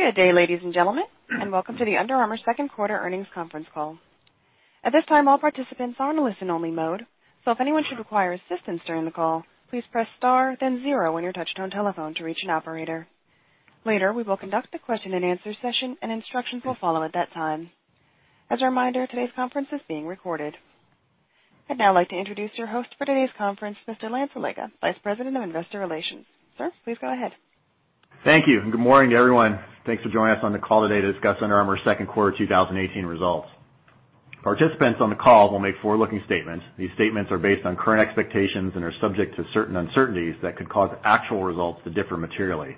Good day, ladies and gentlemen, and welcome to the Under Armour second quarter earnings conference call. At this time, all participants are on listen only mode, so if anyone should require assistance during the call, please press star then zero on your touch-tone telephone to reach an operator. Later, we will conduct a question and answer session, and instructions will follow at that time. As a reminder, today's conference is being recorded. I'd now like to introduce your host for today's conference, Mr. Lance Allega, Vice President of Investor Relations. Sir, please go ahead. Thank you. Good morning, everyone. Thanks for joining us on the call today to discuss Under Armour's second quarter 2018 results. Participants on the call will make forward-looking statements. These statements are based on current expectations and are subject to certain uncertainties that could cause actual results to differ materially.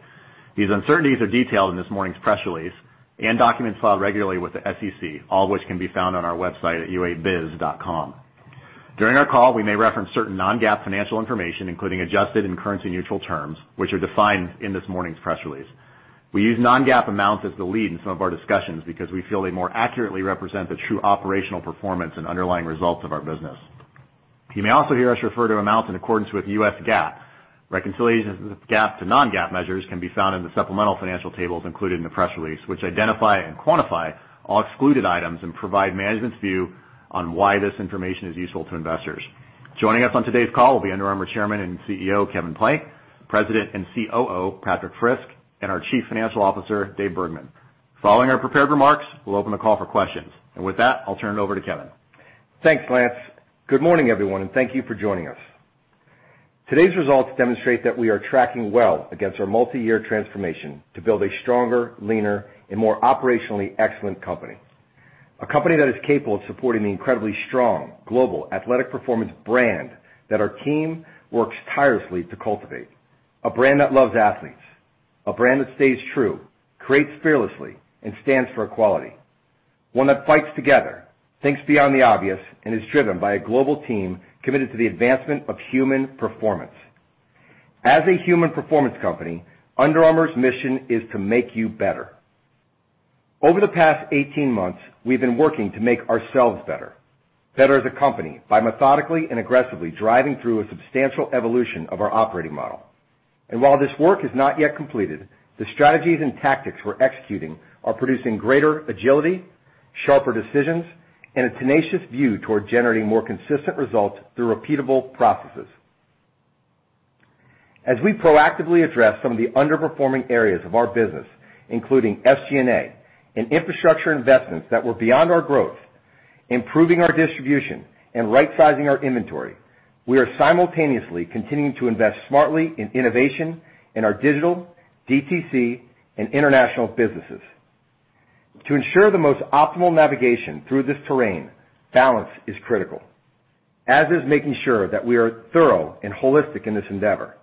These uncertainties are detailed in this morning's press release and documents filed regularly with the SEC, all which can be found on our website at uabiz.com. During our call, we may reference certain non-GAAP financial information, including adjusted and currency-neutral terms, which are defined in this morning's press release. We use non-GAAP amounts as the lead in some of our discussions because we feel they more accurately represent the true operational performance and underlying results of our business. You may also hear us refer to amounts in accordance with US GAAP. Reconciliations of GAAP to non-GAAP measures can be found in the supplemental financial tables included in the press release, which identify and quantify all excluded items and provide management's view on why this information is useful to investors. Joining us on today's call will be Under Armour Chairman and CEO, Kevin Plank; President and COO, Patrik Frisk; and our Chief Financial Officer, David Bergman. Following our prepared remarks, we'll open the call for questions. With that, I'll turn it over to Kevin. Thanks, Lance. Good morning, everyone, and thank you for joining us. Today's results demonstrate that we are tracking well against our multi-year transformation to build a stronger, leaner and more operationally excellent company, a company that is capable of supporting the incredibly strong global athletic performance brand that our team works tirelessly to cultivate. A brand that loves athletes, a brand that stays true, creates fearlessly, and stands for equality, one that fights together, thinks beyond the obvious, and is driven by a global team committed to the advancement of human performance. As a human performance company, Under Armour's mission is to make you better. Over the past 18 months, we've been working to make ourselves better as a company by methodically and aggressively driving through a substantial evolution of our operating model. While this work is not yet completed, the strategies and tactics we're executing are producing greater agility, sharper decisions, and a tenacious view toward generating more consistent results through repeatable processes. As we proactively address some of the underperforming areas of our business, including SG&A and infrastructure investments that were beyond our growth, improving our distribution, and right-sizing our inventory, we are simultaneously continuing to invest smartly in innovation in our digital, DTC, and international businesses. To ensure the most optimal navigation through this terrain, balance is critical, as is making sure that we are thorough and holistic in this endeavor.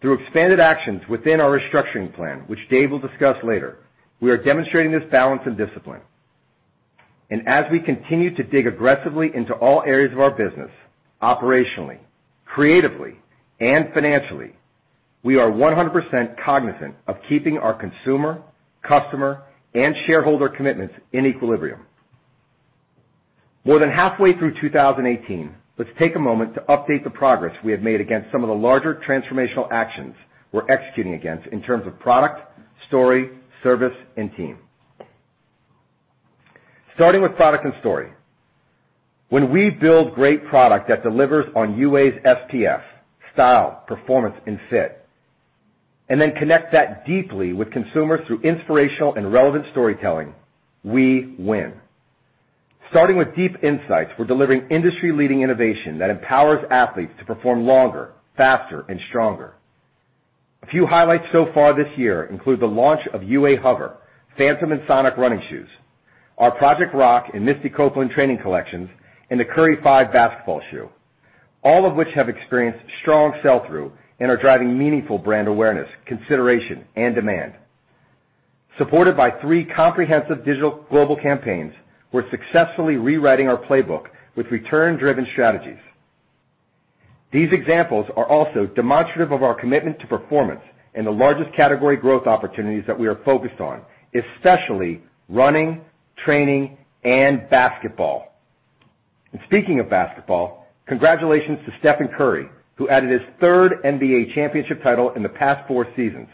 Through expanded actions within our restructuring plan, which Dave will discuss later, we are demonstrating this balance and discipline. As we continue to dig aggressively into all areas of our business operationally, creatively, and financially, we are 100% cognizant of keeping our consumer, customer, and shareholder commitments in equilibrium. More than halfway through 2018, let's take a moment to update the progress we have made against some of the larger transformational actions we're executing against in terms of product, story, service, and team. Starting with product and story. When we build great product that delivers on UA's SPF, style, performance, and fit, then connect that deeply with consumers through inspirational and relevant storytelling, we win. Starting with deep insights, we're delivering industry-leading innovation that empowers athletes to perform longer, faster, and stronger. A few highlights so far this year include the launch of UA HOVR, Phantom and Sonic running shoes, our Project Rock and Misty Copeland training collections, and the Curry 5 basketball shoe, all of which have experienced strong sell-through and are driving meaningful brand awareness, consideration, and demand. Supported by three comprehensive digital global campaigns, we're successfully rewriting our playbook with return-driven strategies. These examples are also demonstrative of our commitment to performance and the largest category growth opportunities that we are focused on, especially running, training, and basketball. Speaking of basketball, congratulations to Stephen Curry, who added his third NBA championship title in the past four seasons.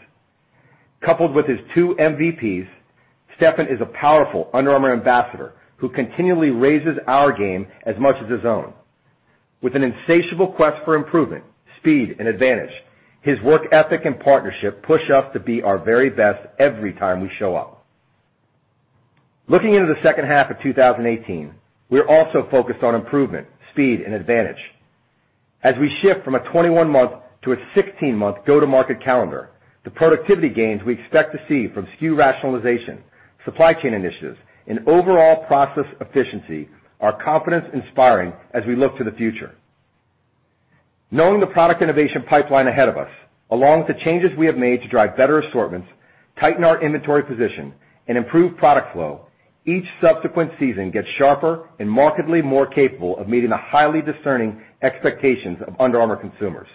Coupled with his two MVPs, Stephen is a powerful Under Armour ambassador who continually raises our game as much as his own. With an insatiable quest for improvement, speed, and advantage, his work ethic and partnership push us to be our very best every time we show up. Looking into the second half of 2018, we are also focused on improvement, speed, and advantage. As we shift from a 21-month to a 16-month go-to-market calendar, the productivity gains we expect to see from SKU rationalization, supply chain initiatives, and overall process efficiency are confidence-inspiring as we look to the future. Knowing the product innovation pipeline ahead of us, along with the changes we have made to drive better assortments, tighten our inventory position, and improve product flow, each subsequent season gets sharper and markedly more capable of meeting the highly discerning expectations of Under Armour consumers.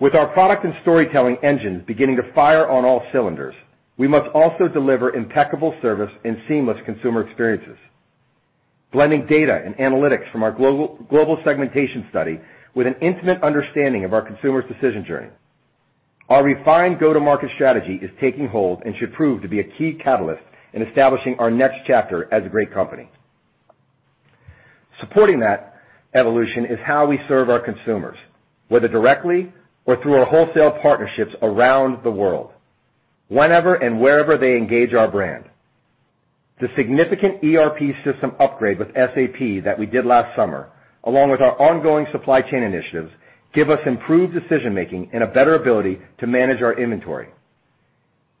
With our product and storytelling engine beginning to fire on all cylinders, we must also deliver impeccable service and seamless consumer experiences. Blending data and analytics from our global segmentation study with an intimate understanding of our consumers' decision journey. Our refined go-to-market strategy is taking hold and should prove to be a key catalyst in establishing our next chapter as a great company. Supporting that evolution is how we serve our consumers, whether directly or through our wholesale partnerships around the world, whenever and wherever they engage our brand. The significant ERP system upgrade with SAP that we did last summer, along with our ongoing supply chain initiatives, give us improved decision-making and a better ability to manage our inventory.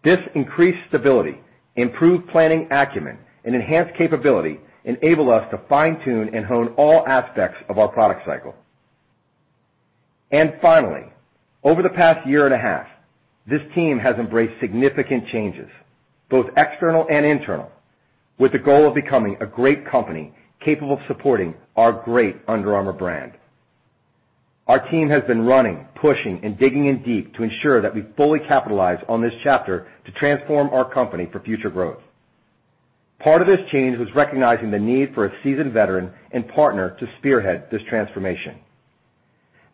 This increased stability, improved planning acumen, and enhanced capability enable us to fine-tune and hone all aspects of our product cycle. Finally, over the past year and a half, this team has embraced significant changes, both external and internal, with the goal of becoming a great company capable of supporting our great Under Armour brand. Our team has been running, pushing, and digging in deep to ensure that we fully capitalize on this chapter to transform our company for future growth. Part of this change was recognizing the need for a seasoned veteran and partner to spearhead this transformation.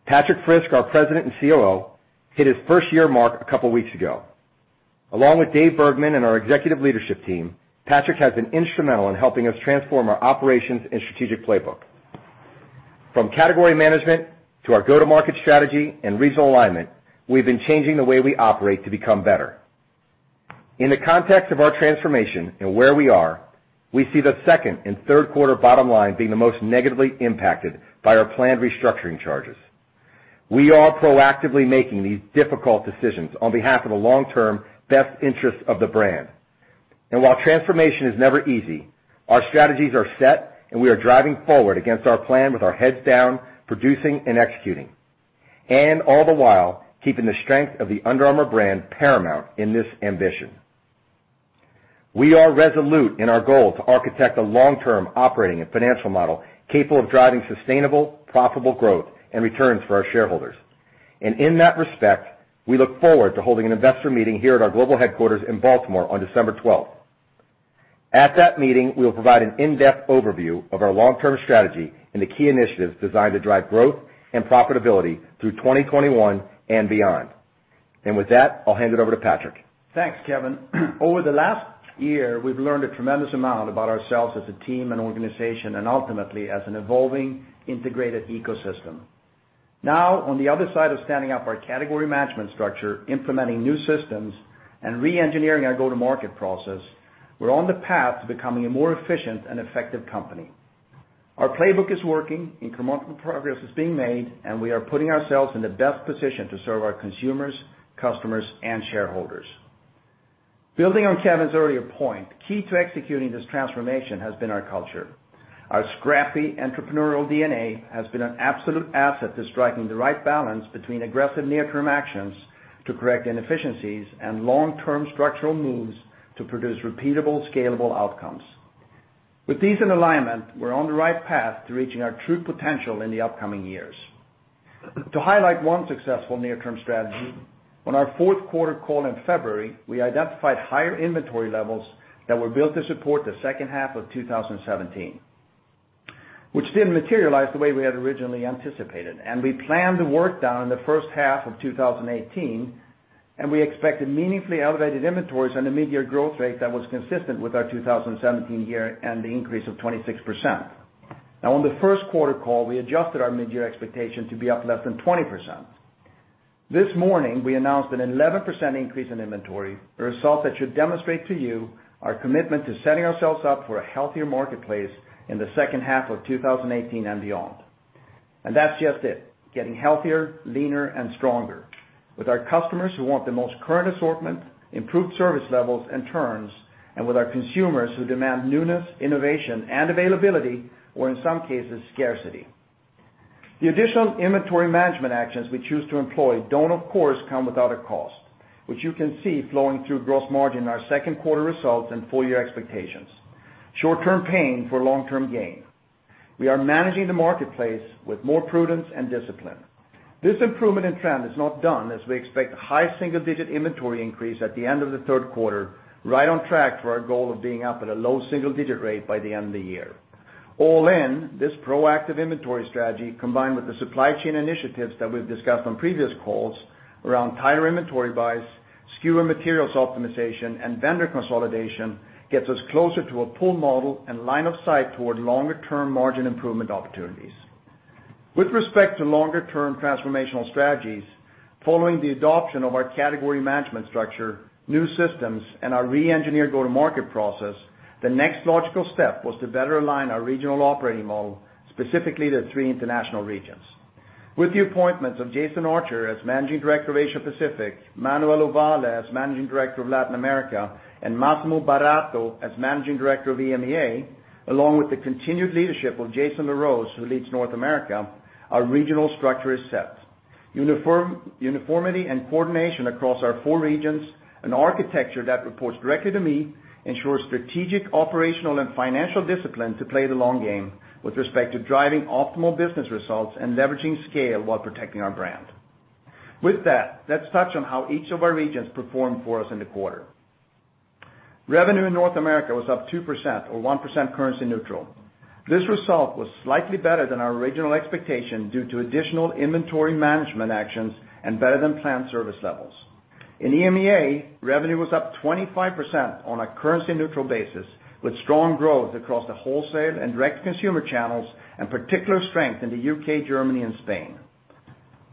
Patrik Frisk, our President and COO, hit his first year mark a couple of weeks ago. Along with Dave Bergman and our executive leadership team, Patrik has been instrumental in helping us transform our operations and strategic playbook. From category management to our go-to-market strategy and regional alignment, we've been changing the way we operate to become better. In the context of our transformation and where we are, we see the second and third quarter bottom line being the most negatively impacted by our planned restructuring charges. We are proactively making these difficult decisions on behalf of the long-term best interest of the brand. While transformation is never easy, our strategies are set, and we are driving forward against our plan with our heads down, producing and executing. All the while, keeping the strength of the Under Armour brand paramount in this ambition. We are resolute in our goal to architect a long-term operating and financial model capable of driving sustainable, profitable growth and returns for our shareholders. In that respect, we look forward to holding an investor meeting here at our global headquarters in Baltimore on December 12th. At that meeting, we will provide an in-depth overview of our long-term strategy and the key initiatives designed to drive growth and profitability through 2021 and beyond. With that, I'll hand it over to Patrik. Thanks, Kevin. Over the last year, we've learned a tremendous amount about ourselves as a team and organization, and ultimately as an evolving, integrated ecosystem. On the other side of standing up our category management structure, implementing new systems, and re-engineering our go-to-market process, we're on the path to becoming a more efficient and effective company. Our playbook is working, incremental progress is being made, and we are putting ourselves in the best position to serve our consumers, customers, and shareholders. Building on Kevin's earlier point, key to executing this transformation has been our culture. Our scrappy entrepreneurial DNA has been an absolute asset to striking the right balance between aggressive near-term actions to correct inefficiencies and long-term structural moves to produce repeatable, scalable outcomes. With these in alignment, we're on the right path to reaching our true potential in the upcoming years. To highlight one successful near-term strategy, on our fourth quarter call in February, we identified higher inventory levels that were built to support the second half of 2017, which didn't materialize the way we had originally anticipated. We planned to work down in the first half of 2018, and we expected meaningfully elevated inventories and a mid-year growth rate that was consistent with our 2017 year and the increase of 26%. On the first quarter call, we adjusted our mid-year expectation to be up less than 20%. This morning, we announced an 11% increase in inventory, a result that should demonstrate to you our commitment to setting ourselves up for a healthier marketplace in the second half of 2018 and beyond. That's just it, getting healthier, leaner, and stronger with our customers who want the most current assortment, improved service levels, and turns, and with our consumers who demand newness, innovation, and availability, or in some cases, scarcity. The additional inventory management actions we choose to employ don't, of course, come without a cost, which you can see flowing through gross margin in our second quarter results and full-year expectations. Short-term pain for long-term gain. We are managing the marketplace with more prudence and discipline. This improvement in trend is not done, as we expect a high single-digit inventory increase at the end of the third quarter, right on track for our goal of being up at a low single-digit rate by the end of the year. All in, this proactive inventory strategy, combined with the supply chain initiatives that we've discussed on previous calls around higher inventory buys, SKU and materials optimization, and vendor consolidation, gets us closer to a pull model and line of sight toward longer-term margin improvement opportunities. With respect to longer-term transformational strategies, following the adoption of our category management structure, new systems, and our re-engineered go-to-market process, the next logical step was to better align our regional operating model, specifically the three international regions. With the appointments of Jason Archer as managing director of Asia Pacific, Manuel Ovalle, Managing Director of Latin America, and Massimo Baratto as Managing Director of EMEA, along with the continued leadership of Jason LaRose, who leads North America, our regional structure is set. Uniformity and coordination across our four regions, an architecture that reports directly to me, ensures strategic, operational, and financial discipline to play the long game with respect to driving optimal business results and leveraging scale while protecting our brand. Let's touch on how each of our regions performed for us in the quarter. Revenue in North America was up 2% or 1% currency neutral. This result was slightly better than our original expectation due to additional inventory management actions and better-than-planned service levels. In EMEA, revenue was up 25% on a currency-neutral basis, with strong growth across the wholesale and direct consumer channels and particular strength in the U.K., Germany and Spain.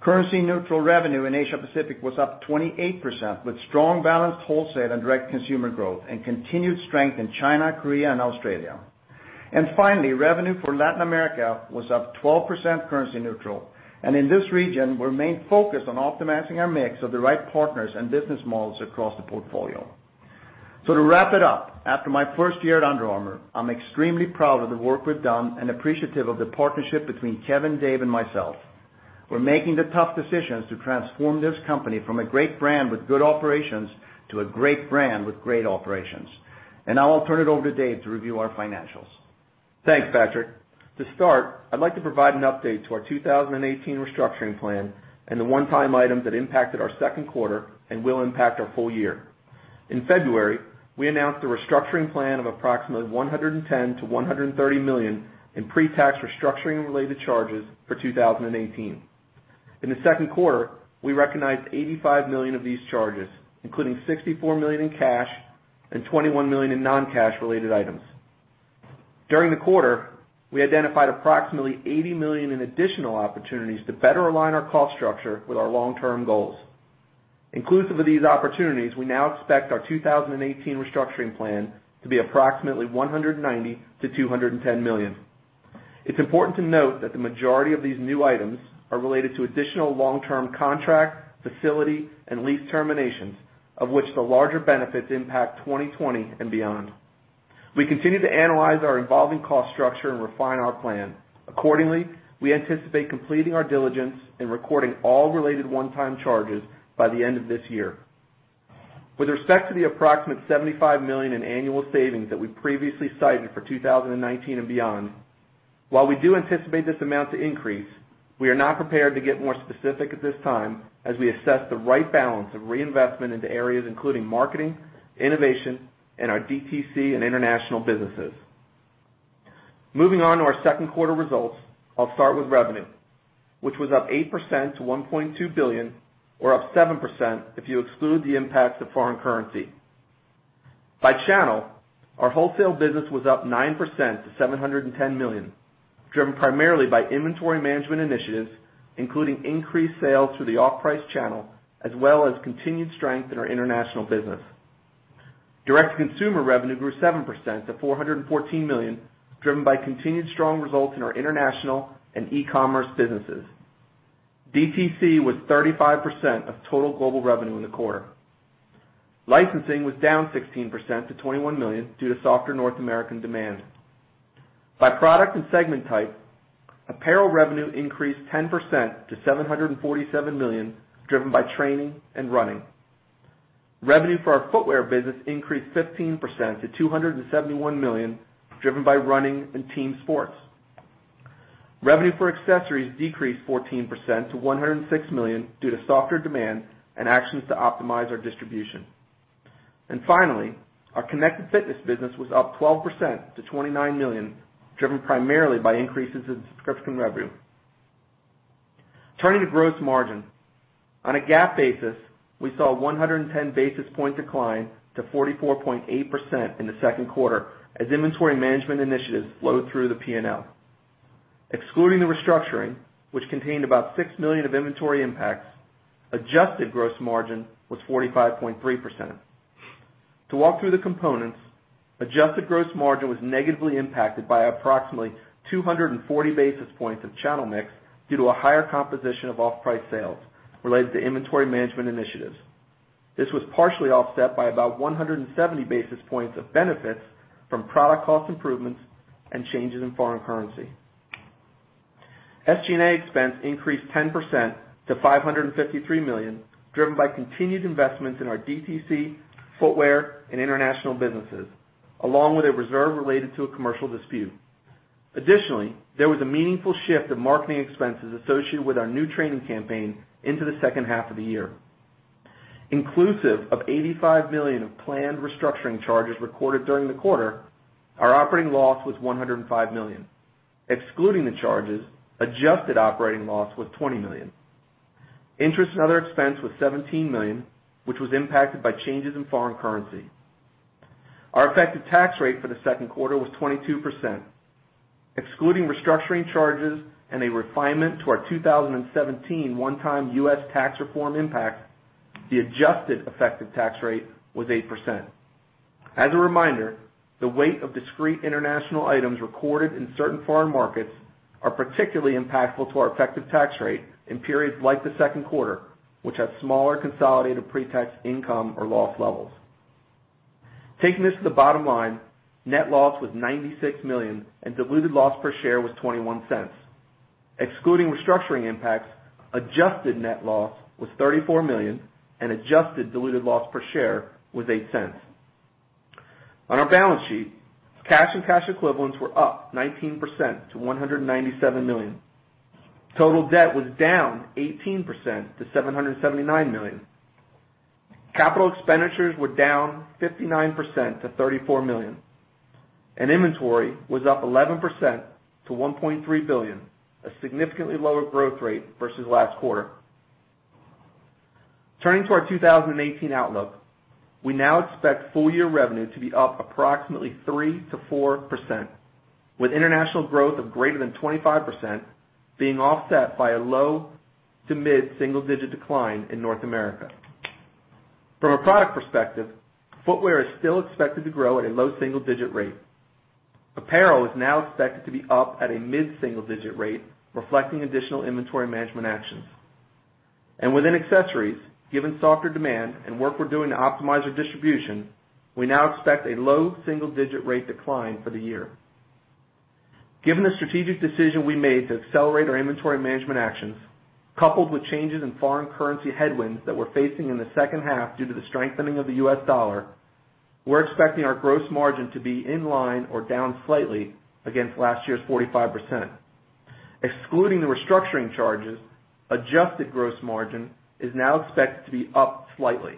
Currency-neutral revenue in Asia Pacific was up 28%, with strong balanced wholesale and direct consumer growth and continued strength in China, Korea and Australia. Finally, revenue for Latin America was up 12% currency neutral. In this region, we remain focused on optimizing our mix of the right partners and business models across the portfolio. To wrap it up, after my first year at Under Armour, I'm extremely proud of the work we've done and appreciative of the partnership between Kevin, Dave, and myself. We're making the tough decisions to transform this company from a great brand with good operations to a great brand with great operations. Now I'll turn it over to Dave to review our financials. Thanks, Patrik. To start, I'd like to provide an update to our 2018 restructuring plan and the one-time item that impacted our second quarter and will impact our full year. In February, we announced a restructuring plan of approximately $110 million-$130 million in pre-tax restructuring-related charges for 2018. In the second quarter, we recognized $85 million of these charges, including $64 million in cash and $21 million in non-cash related items. During the quarter, we identified approximately $80 million in additional opportunities to better align our cost structure with our long-term goals. Inclusive of these opportunities, we now expect our 2018 restructuring plan to be approximately $190 million-$210 million. It's important to note that the majority of these new items are related to additional long-term contract, facility, and lease terminations, of which the larger benefits impact 2020 and beyond. We continue to analyze our evolving cost structure and refine our plan. Accordingly, we anticipate completing our diligence and recording all related one-time charges by the end of this year. With respect to the approximate $75 million in annual savings that we previously cited for 2019 and beyond, while we do anticipate this amount to increase, we are not prepared to get more specific at this time as we assess the right balance of reinvestment into areas including marketing, innovation, and our DTC and international businesses. Moving on to our second quarter results, I'll start with revenue, which was up 8% to $1.2 billion or up 7% if you exclude the impacts of foreign currency. By channel, our wholesale business was up 9% to $710 million, driven primarily by inventory management initiatives, including increased sales through the off-price channel, as well as continued strength in our international business. Direct-to-consumer revenue grew 7% to $414 million, driven by continued strong results in our international and e-commerce businesses. DTC was 35% of total global revenue in the quarter. Licensing was down 16% to $21 million due to softer North American demand. By product and segment type, apparel revenue increased 10% to $747 million, driven by training and running. Revenue for our footwear business increased 15% to $271 million, driven by running and team sports. Revenue for accessories decreased 14% to $106 million due to softer demand and actions to optimize our distribution. Finally, our connected fitness business was up 12% to $29 million, driven primarily by increases in subscription revenue. Turning to gross margin. On a GAAP basis, we saw a 110-basis-point decline to 44.8% in the second quarter as inventory management initiatives flowed through the P&L. Excluding the restructuring, which contained about $6 million of inventory impacts, adjusted gross margin was 45.3%. To walk through the components, adjusted gross margin was negatively impacted by approximately 240 basis points of channel mix due to a higher composition of off-price sales related to inventory management initiatives. This was partially offset by about 170 basis points of benefits from product cost improvements and changes in foreign currency. SG&A expense increased 10% to $553 million, driven by continued investments in our DTC, footwear, and international businesses, along with a reserve related to a commercial dispute. Additionally, there was a meaningful shift of marketing expenses associated with our new training campaign into the second half of the year. Inclusive of $85 million of planned restructuring charges recorded during the quarter, our operating loss was $105 million. Excluding the charges, adjusted operating loss was $20 million. Interest and other expense was $17 million, which was impacted by changes in foreign currency. Our effective tax rate for the second quarter was 22%. Excluding restructuring charges and a refinement to our 2017 one-time U.S. tax reform impact, the adjusted effective tax rate was 8%. As a reminder, the weight of discrete international items recorded in certain foreign markets are particularly impactful to our effective tax rate in periods like the second quarter, which have smaller consolidated pre-tax income or loss levels. Taking this to the bottom line, net loss was $96 million and diluted loss per share was $0.21. Excluding restructuring impacts, adjusted net loss was $34 million, and adjusted diluted loss per share was $0.08. On our balance sheet, cash and cash equivalents were up 19% to $197 million. Total debt was down 18% to $779 million. Capital expenditures were down 59% to $34 million. Inventory was up 11% to $1.3 billion, a significantly lower growth rate versus last quarter. Turning to our 2018 outlook, we now expect full-year revenue to be up approximately 3%-4%, with international growth of greater than 25% being offset by a low to mid-single digit decline in North America. From a product perspective, footwear is still expected to grow at a low single-digit rate. Apparel is now expected to be up at a mid-single digit rate, reflecting additional inventory management actions. Within accessories, given softer demand and work we're doing to optimize our distribution, we now expect a low single-digit rate decline for the year. Given the strategic decision we made to accelerate our inventory management actions, coupled with changes in foreign currency headwinds that we're facing in the second half due to the strengthening of the US dollar, we're expecting our gross margin to be in line or down slightly against last year's 45%. Excluding the restructuring charges, adjusted gross margin is now expected to be up slightly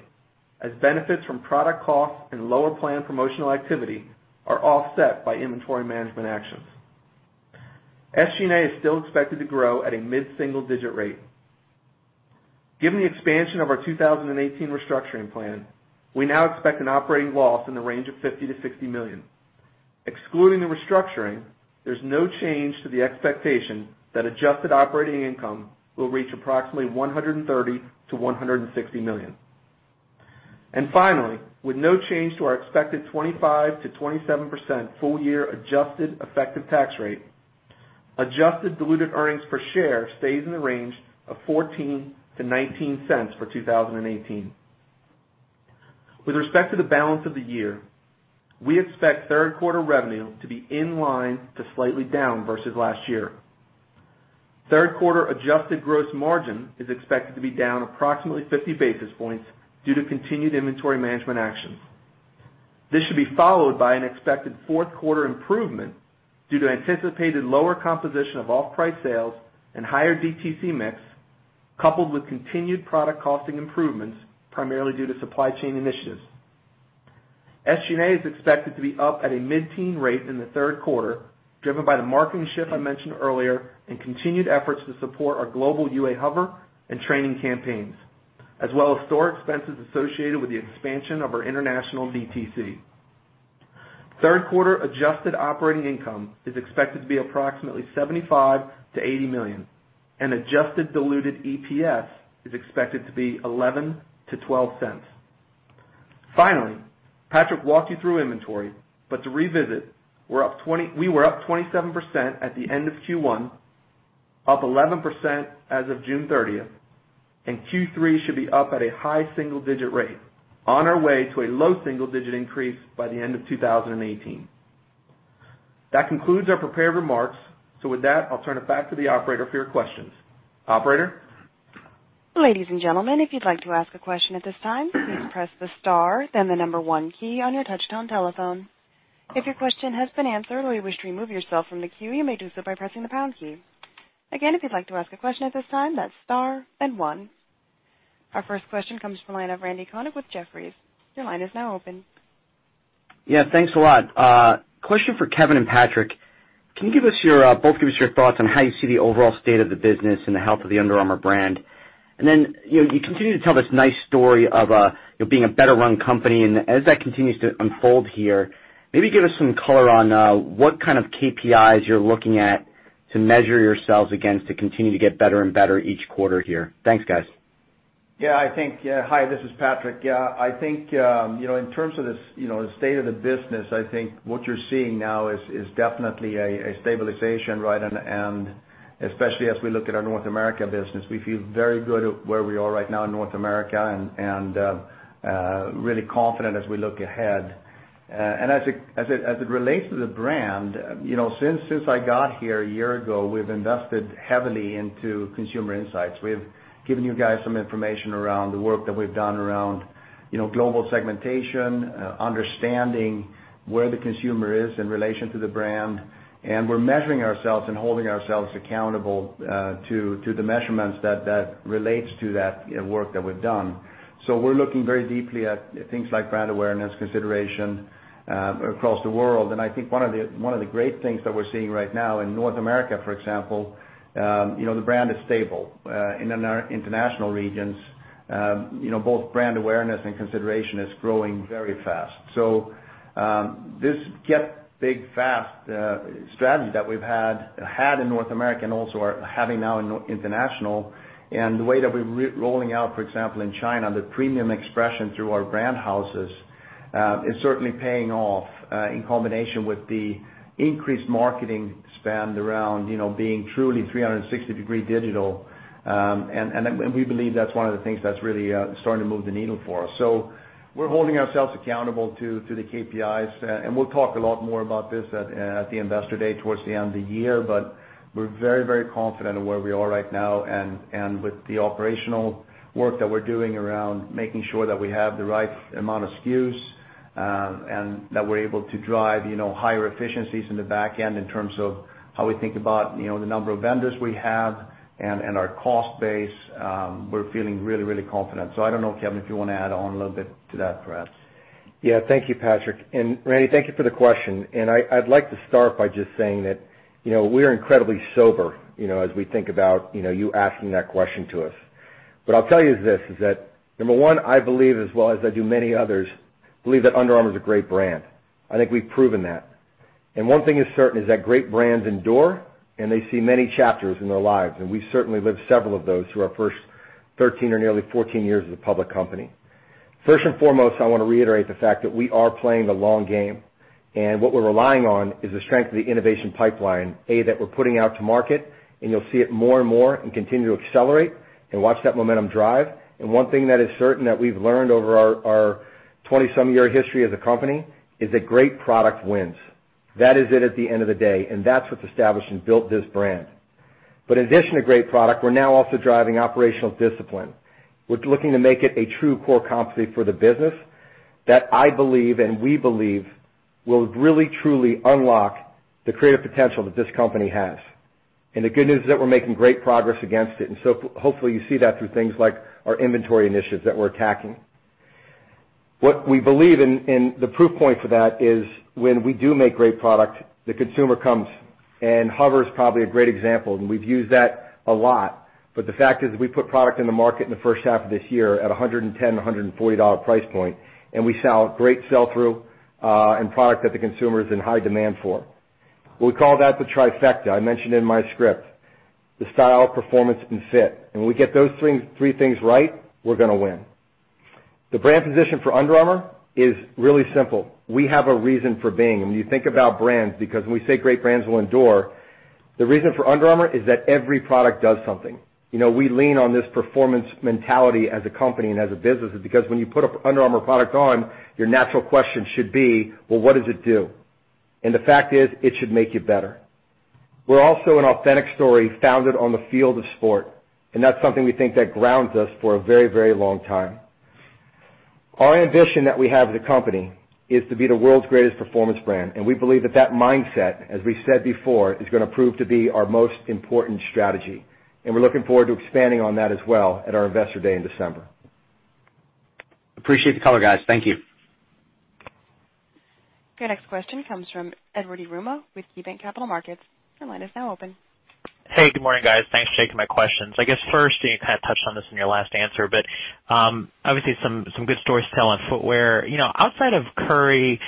as benefits from product costs and lower planned promotional activity are offset by inventory management actions. SG&A is still expected to grow at a mid-single-digit rate. Given the expansion of our 2018 restructuring plan, we now expect an operating loss in the range of $50 million-$60 million. Excluding the restructuring, there's no change to the expectation that adjusted operating income will reach approximately $130 million-$160 million. Finally, with no change to our expected 25%-27% full-year adjusted effective tax rate, adjusted diluted earnings per share stays in the range of $0.14-$0.19 for 2018. With respect to the balance of the year, we expect third quarter revenue to be in line to slightly down versus last year. Third quarter adjusted gross margin is expected to be down approximately 50 basis points due to continued inventory management actions. This should be followed by an expected fourth quarter improvement due to anticipated lower composition of off-price sales and higher DTC mix, coupled with continued product costing improvements, primarily due to supply chain initiatives. SG&A is expected to be up at a mid-teen rate in the third quarter, driven by the marketing shift I mentioned earlier and continued efforts to support our global UA HOVR and training campaigns, as well as store expenses associated with the expansion of our international DTC. Third quarter adjusted operating income is expected to be approximately $75 million-$80 million, and adjusted diluted EPS is expected to be $0.11-$0.12. Finally, Patrik walked you through inventory, but to revisit, we were up 27% at the end of Q1, up 11% as of June 30th, and Q3 should be up at a high single-digit rate, on our way to a low single-digit increase by the end of 2018. That concludes our prepared remarks. With that, I'll turn it back to the operator for your questions. Operator? Ladies and gentlemen, if you'd like to ask a question at this time, please press the star then the number one key on your touch-tone telephone. If your question has been answered or you wish to remove yourself from the queue, you may do so by pressing the pound key. Again, if you'd like to ask a question at this time, that's star and one. Our first question comes from the line of Randal Konik with Jefferies. Your line is now open. Yeah, thanks a lot. Question for Kevin and Patrik. Then, you continue to tell this nice story of being a better-run company, and as that continues to unfold here, maybe give us some color on what kind of KPIs you're looking at to measure yourselves against to continue to get better and better each quarter here. Thanks, guys. Yeah. Hi, this is Patrik. I think, in terms of the state of the business, I think what you're seeing now is definitely a stabilization. Especially as we look at our North America business, we feel very good where we are right now in North America and really confident as we look ahead. As it relates to the brand, since I got here a year ago, we've invested heavily into consumer insights. We've given you guys some information around the work that we've done around global segmentation, understanding where the consumer is in relation to the brand. We're measuring ourselves and holding ourselves accountable to the measurements that relates to that work that we've done. We're looking very deeply at things like brand awareness, consideration across the world. I think one of the great things that we're seeing right now in North America, for example, the brand is stable. In our international regions, both brand awareness and consideration is growing very fast. This get big fast strategy that we've had in North America and also are having now in international, and the way that we're rolling out, for example, in China, the premium expression through our brand houses, is certainly paying off in combination with the increased marketing spend around being truly 360-degree digital. We believe that's one of the things that's really starting to move the needle for us. We're holding ourselves accountable to the KPIs, and we'll talk a lot more about this at the Investor Day towards the end of the year. We're very, very confident in where we are right now, and with the operational work that we're doing around making sure that we have the right amount of SKUs, and that we're able to drive higher efficiencies in the back end in terms of how we think about the number of vendors we have and our cost base, we're feeling really, really confident. I don't know, Kevin, if you want to add on a little bit to that perhaps. Yeah. Thank you, Patrik. Randal, thank you for the question. I'd like to start by just saying that we're incredibly sober as we think about you asking that question to us. I'll tell you this, is that number one, I believe, as well as I do many others, believe that Under Armour is a great brand. I think we've proven that. One thing is certain, is that great brands endure, and they see many chapters in their lives, and we've certainly lived several of those through our first 13 or nearly 14 years as a public company. First and foremost, I want to reiterate the fact that we are playing the long game. What we're relying on is the strength of the innovation pipeline, A, that we're putting out to market, and you'll see it more and more and continue to accelerate and watch that momentum drive. One thing that is certain that we've learned over our 20-some year history as a company is that great product wins. That is it at the end of the day, and that's what's established and built this brand. In addition to great product, we're now also driving operational discipline. We're looking to make it a true core competency for the business that I believe and we believe will really truly unlock the creative potential that this company has. The good news is that we're making great progress against it. Hopefully, you see that through things like our inventory initiatives that we're attacking. What we believe and the proof point for that is when we do make great product, the consumer comes, and HOVR is probably a great example, and we've used that a lot. The fact is, we put product in the market in the first half of this year at 110, $140 price point, and we saw great sell-through, and product that the consumer is in high demand for. We call that the trifecta. I mentioned in my script. The style, performance, and fit. When we get those three things right, we're going to win. The brand position for Under Armour is really simple. We have a reason for being, and when you think about brands, because when we say great brands will endure, the reason for Under Armour is that every product does something. We lean on this performance mentality as a company and as a business is because when you put an Under Armour product on, your natural question should be, well, what does it do? The fact is, it should make you better. We're also an authentic story founded on the field of sport, and that's something we think that grounds us for a very, very long time. Our ambition that we have as a company is to be the world's greatest performance brand, and we believe that that mindset, as we said before, is going to prove to be our most important strategy. We're looking forward to expanding on that as well at our Investor Day in December. Appreciate the color, guys. Thank you. Your next question comes from Edward Yruma with KeyBanc Capital Markets. Your line is now open. Hey, good morning, guys. Thanks for taking my questions. I guess first, you kind of touched on this in your last answer. Obviously some good stories to tell on footwear. Outside of Curry,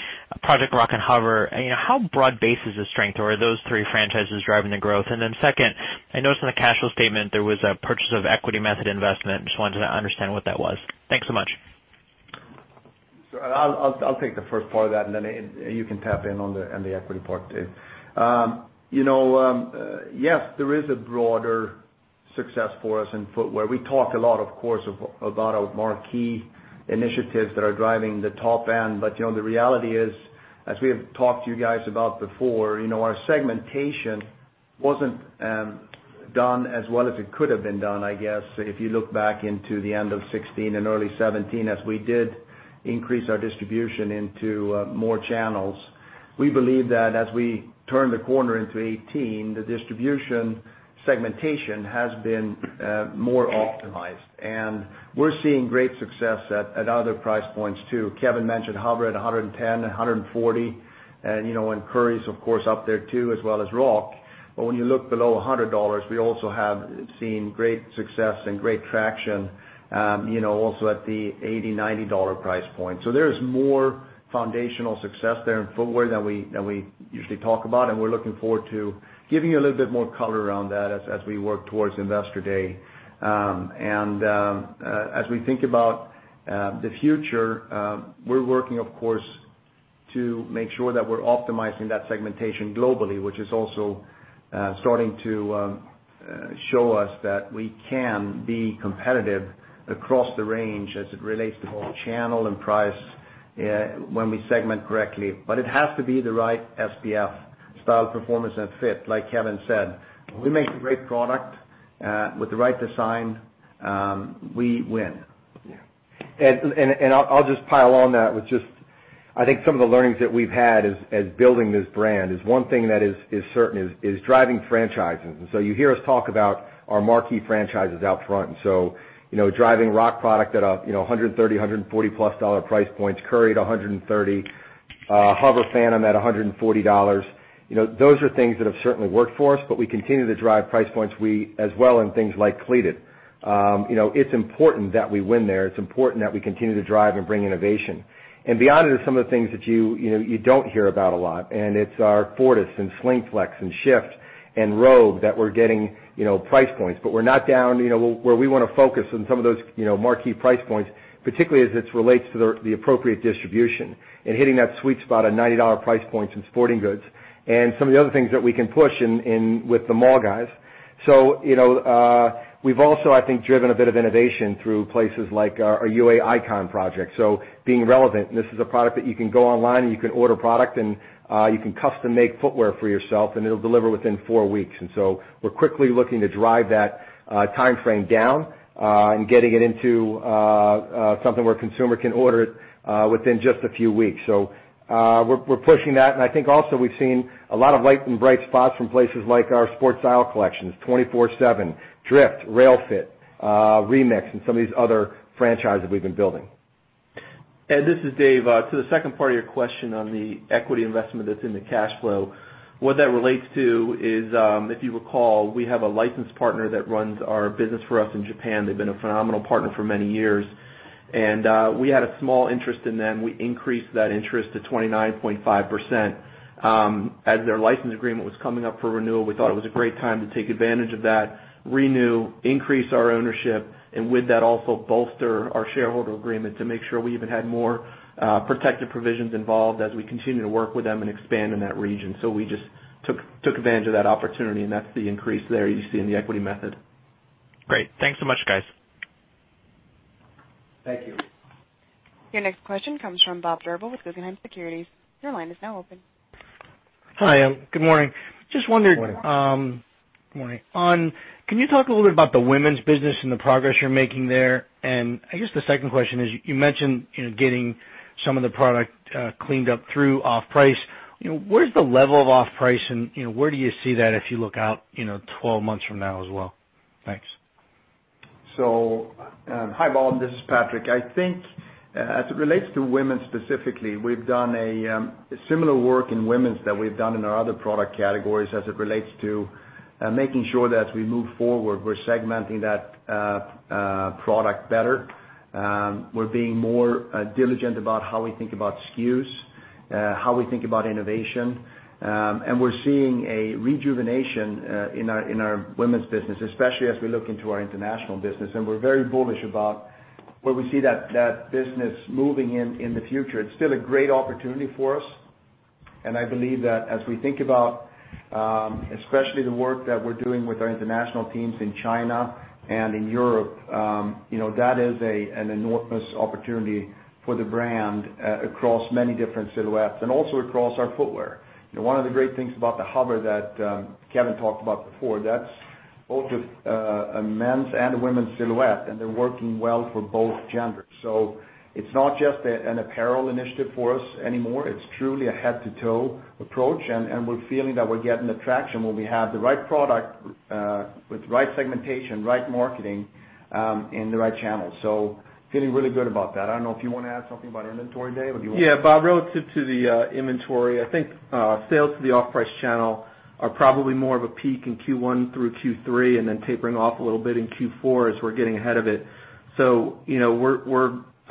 Project Rock, and HOVR, how broad-based is the strength? Are those three franchises driving the growth? Second, I noticed in the cash flow statement there was a purchase of equity method investment. Just wanted to understand what that was. Thanks so much. I'll take the first part of that. You can tap in on the equity part, Dave. Yes, there is a broader success for us in footwear. We talked a lot, of course, about our marquee initiatives that are driving the top end. The reality is, as we have talked to you guys about before, our segmentation wasn't done as well as it could have been done, I guess, if you look back into the end of 2016 and early 2017, as we did increase our distribution into more channels. We believe that as we turn the corner into 2018, the distribution segmentation has been more optimized. We're seeing great success at other price points, too. Kevin mentioned HOVR at $110, $140. Curry's, of course, up there too, as well as Rock. When you look below $100, we also have seen great success and great traction also at the $80, $90 price point. There is more foundational success there in footwear than we usually talk about, and we're looking forward to giving you a little bit more color around that as we work towards Investor Day. As we think about the future, we're working, of course, to make sure that we're optimizing that segmentation globally, which is also starting to show us that we can be competitive across the range as it relates to both channel and price, when we segment correctly. It has to be the right SPF, style, performance, and fit. Like Kevin said, when we make the right product, with the right design, we win. Yeah. I'll just pile on that with just I think some of the learnings that we've had as building this brand is one thing that is certain is driving franchises. You hear us talk about our marquee franchises out front. Driving Rock product at $130, $140 plus price points, Curry at $130, HOVR Phantom at $140. Those are things that have certainly worked for us, but we continue to drive price points as well in things like Cleated. It's important that we win there. It's important that we continue to drive and bring innovation. Beyond it is some of the things that you don't hear about a lot, and it's our Fortis and Slingflex and Shift and Rogue that we're getting price points. We're not down where we want to focus on some of those marquee price points, particularly as this relates to the appropriate distribution and hitting that sweet spot at $90 price points in sporting goods and some of the other things that we can push in with the mall guys. We've also, I think, driven a bit of innovation through places like our UA ICON project. Being relevant, this is a product that you can go online, and you can order product, and you can custom-make footwear for yourself, and it'll deliver within four weeks. We're quickly looking to drive that timeframe down, and getting it into something where a consumer can order it within just a few weeks. We're pushing that, and I think also we've seen a lot of light and bright spots from places like our Sportstyle collections, 24/7, Drift, RailFit, Remix, and some of these other franchises we've been building. Ed, this is Dave. To the second part of your question on the equity investment that's in the cash flow. What that relates to is, if you recall, we have a licensed partner that runs our business for us in Japan. They've been a phenomenal partner for many years. We had a small interest in them. We increased that interest to 29.5%. As their license agreement was coming up for renewal, we thought it was a great time to take advantage of that, renew, increase our ownership, and with that, also bolster our shareholder agreement to make sure we even had more protective provisions involved as we continue to work with them and expand in that region. We just took advantage of that opportunity, and that's the increase there you see in the equity method. Great. Thanks so much, guys. Thank you. Your next question comes from Bob Drbul with Guggenheim Securities. Your line is now open. Hi, good morning. Good morning. Just wondered. Good morning. Can you talk a little bit about the women's business and the progress you're making there? I guess the second question is, you mentioned getting some of the product cleaned up through off-price. Where's the level of off-price, and where do you see that if you look out 12 months from now as well? Thanks. Hi, Bob Drbul. This is Patrik Frisk. I think, as it relates to women specifically, we've done a similar work in women's that we've done in our other product categories as it relates to making sure that as we move forward, we're segmenting that product better. We're being more diligent about how we think about SKUs, how we think about innovation. We're seeing a rejuvenation in our women's business, especially as we look into our international business. We're very bullish about where we see that business moving in the future. It's still a great opportunity for us, and I believe that as we think about, especially the work that we're doing with our international teams in China and in Europe, that is an enormous opportunity for the brand across many different silhouettes and also across our footwear. One of the great things about the HOVR that Kevin talked about before, that's both a men's and a women's silhouette, and they're working well for both genders. It's not just an apparel initiative for us anymore. It's truly a head-to-toe approach, and we're feeling that we're getting the traction where we have the right product, with the right segmentation, right marketing, and the right channels. Feeling really good about that. I don't know if you want to add something about inventory, Dave. Yeah, Bob, relative to the inventory, I think sales to the off-price channel are probably more of a peak in Q1 through Q3 and then tapering off a little bit in Q4 as we're getting ahead of it.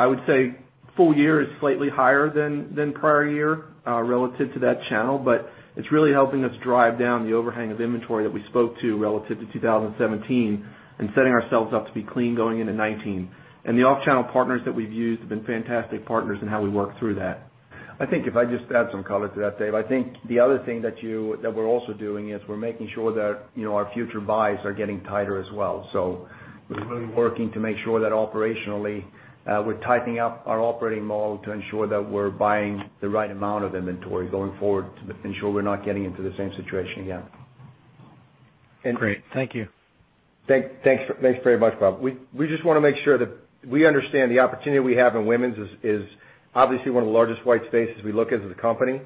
I would say full year is slightly higher than prior year relative to that channel, but it's really helping us drive down the overhang of inventory that we spoke to relative to 2017 and setting ourselves up to be clean going into 2019. The off-channel partners that we've used have been fantastic partners in how we work through that. I think if I just add some color to that, Dave, I think the other thing that we're also doing is we're making sure that our future buys are getting tighter as well. We're really working to make sure that operationally, we're tightening up our operating model to ensure that we're buying the right amount of inventory going forward to ensure we're not getting into the same situation again. Great. Thank you. Thanks very much, Bob. We just want to make sure that we understand the opportunity we have in women's is obviously one of the largest white spaces we look as a company.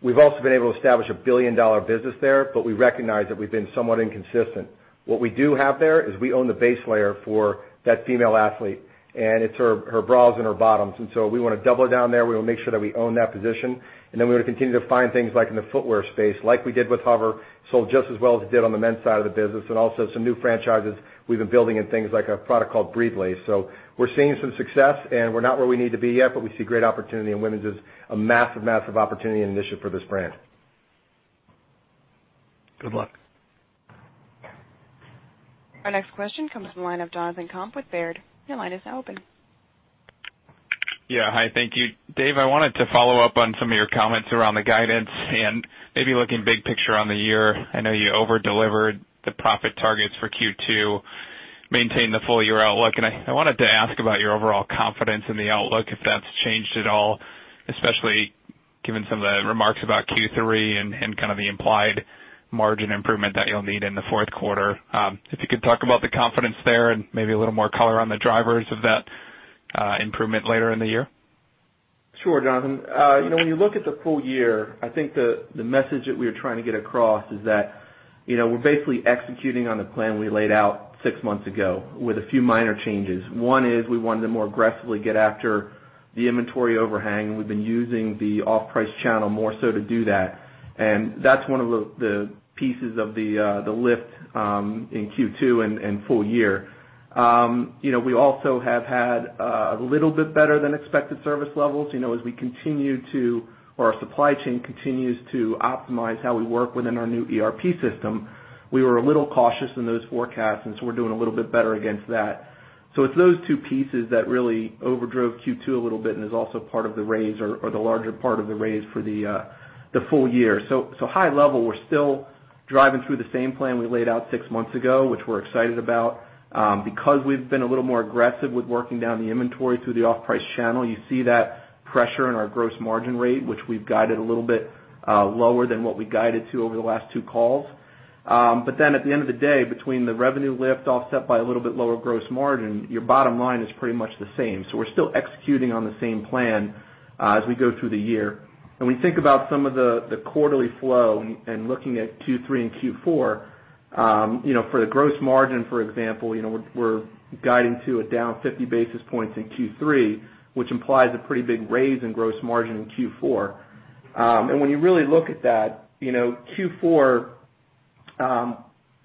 We've also been able to establish a billion-dollar business there, but we recognize that we've been somewhat inconsistent. What we do have there is we own the base layer for that female athlete, and it's her bras and her bottoms. We want to double down there. We want to make sure that we own that position. We want to continue to find things like in the footwear space, like we did with HOVR, sold just as well as it did on the men's side of the business, and also some new franchises we've been building in things like a product called Breathe Lace. We're seeing some success, and we're not where we need to be yet, but we see great opportunity in women's as a massive opportunity and initiative for this brand. Good luck. Our next question comes from the line of Jonathan Komp with Baird. Your line is now open. Hi, thank you. Dave, I wanted to follow up on some of your comments around the guidance and maybe looking big picture on the year. I know you over-delivered the profit targets for Q2, maintained the full year outlook, and I wanted to ask about your overall confidence in the outlook, if that's changed at all, especially given some of the remarks about Q3 and kind of the implied margin improvement that you'll need in the fourth quarter. If you could talk about the confidence there and maybe a little more color on the drivers of that improvement later in the year. Sure, Jonathan. When you look at the full year, I think the message that we are trying to get across is that we're basically executing on the plan we laid out six months ago with a few minor changes. One is we wanted to more aggressively get after the inventory overhang, and we've been using the off-price channel more so to do that. That's one of the pieces of the lift in Q2 and full year. We also have had a little bit better than expected service levels. As our supply chain continues to optimize how we work within our new ERP system, we were a little cautious in those forecasts, we're doing a little bit better against that. It's those two pieces that really overdrove Q2 a little bit and is also part of the raise or the larger part of the raise for the full year. High level, we're still driving through the same plan we laid out six months ago, which we're excited about. Because we've been a little more aggressive with working down the inventory through the off-price channel, you see that pressure in our gross margin rate, which we've guided a little bit lower than what we guided to over the last two calls. At the end of the day, between the revenue lift offset by a little bit lower gross margin, your bottom line is pretty much the same. We're still executing on the same plan As we go through the year, we think about some of the quarterly flow and looking at Q3 and Q4, for the gross margin, for example, we're guiding to a down 50 basis points in Q3, which implies a pretty big raise in gross margin in Q4. When you really look at that,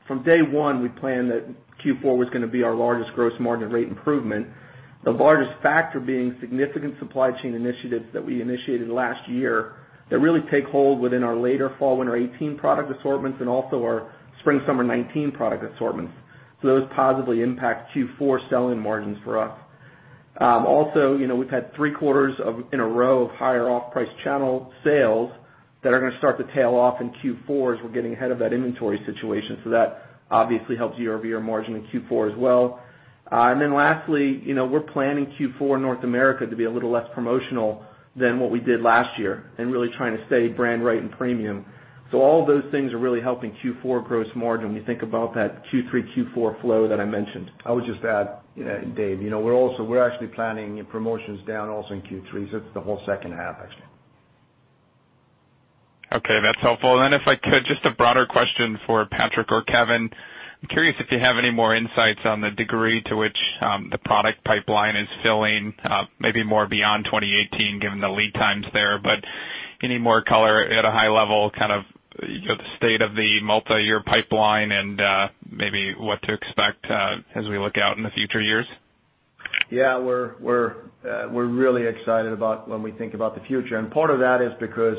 from day one, we planned that Q4 was going to be our largest gross margin rate improvement, the largest factor being significant supply chain initiatives that we initiated last year that really take hold within our later fall/winter 2018 product assortments and also our spring/summer 2019 product assortments. Those positively impact Q4 selling margins for us. Also, we've had three quarters in a row of higher off-price channel sales that are going to start to tail off in Q4 as we're getting ahead of that inventory situation. That obviously helps year-over-year margin in Q4 as well. Lastly, we're planning Q4 North America to be a little less promotional than what we did last year and really trying to stay brand right and premium. All of those things are really helping Q4 gross margin. We think about that Q3, Q4 flow that I mentioned. I would just add, Dave, we're actually planning promotions down also in Q3, it's the whole second half, actually. Okay, that's helpful. If I could, just a broader question for Patrik or Kevin. I'm curious if you have any more insights on the degree to which the product pipeline is filling, maybe more beyond 2018, given the lead times there, but any more color at a high level, the state of the multi-year pipeline and maybe what to expect as we look out in the future years? We're really excited about when we think about the future. Part of that is because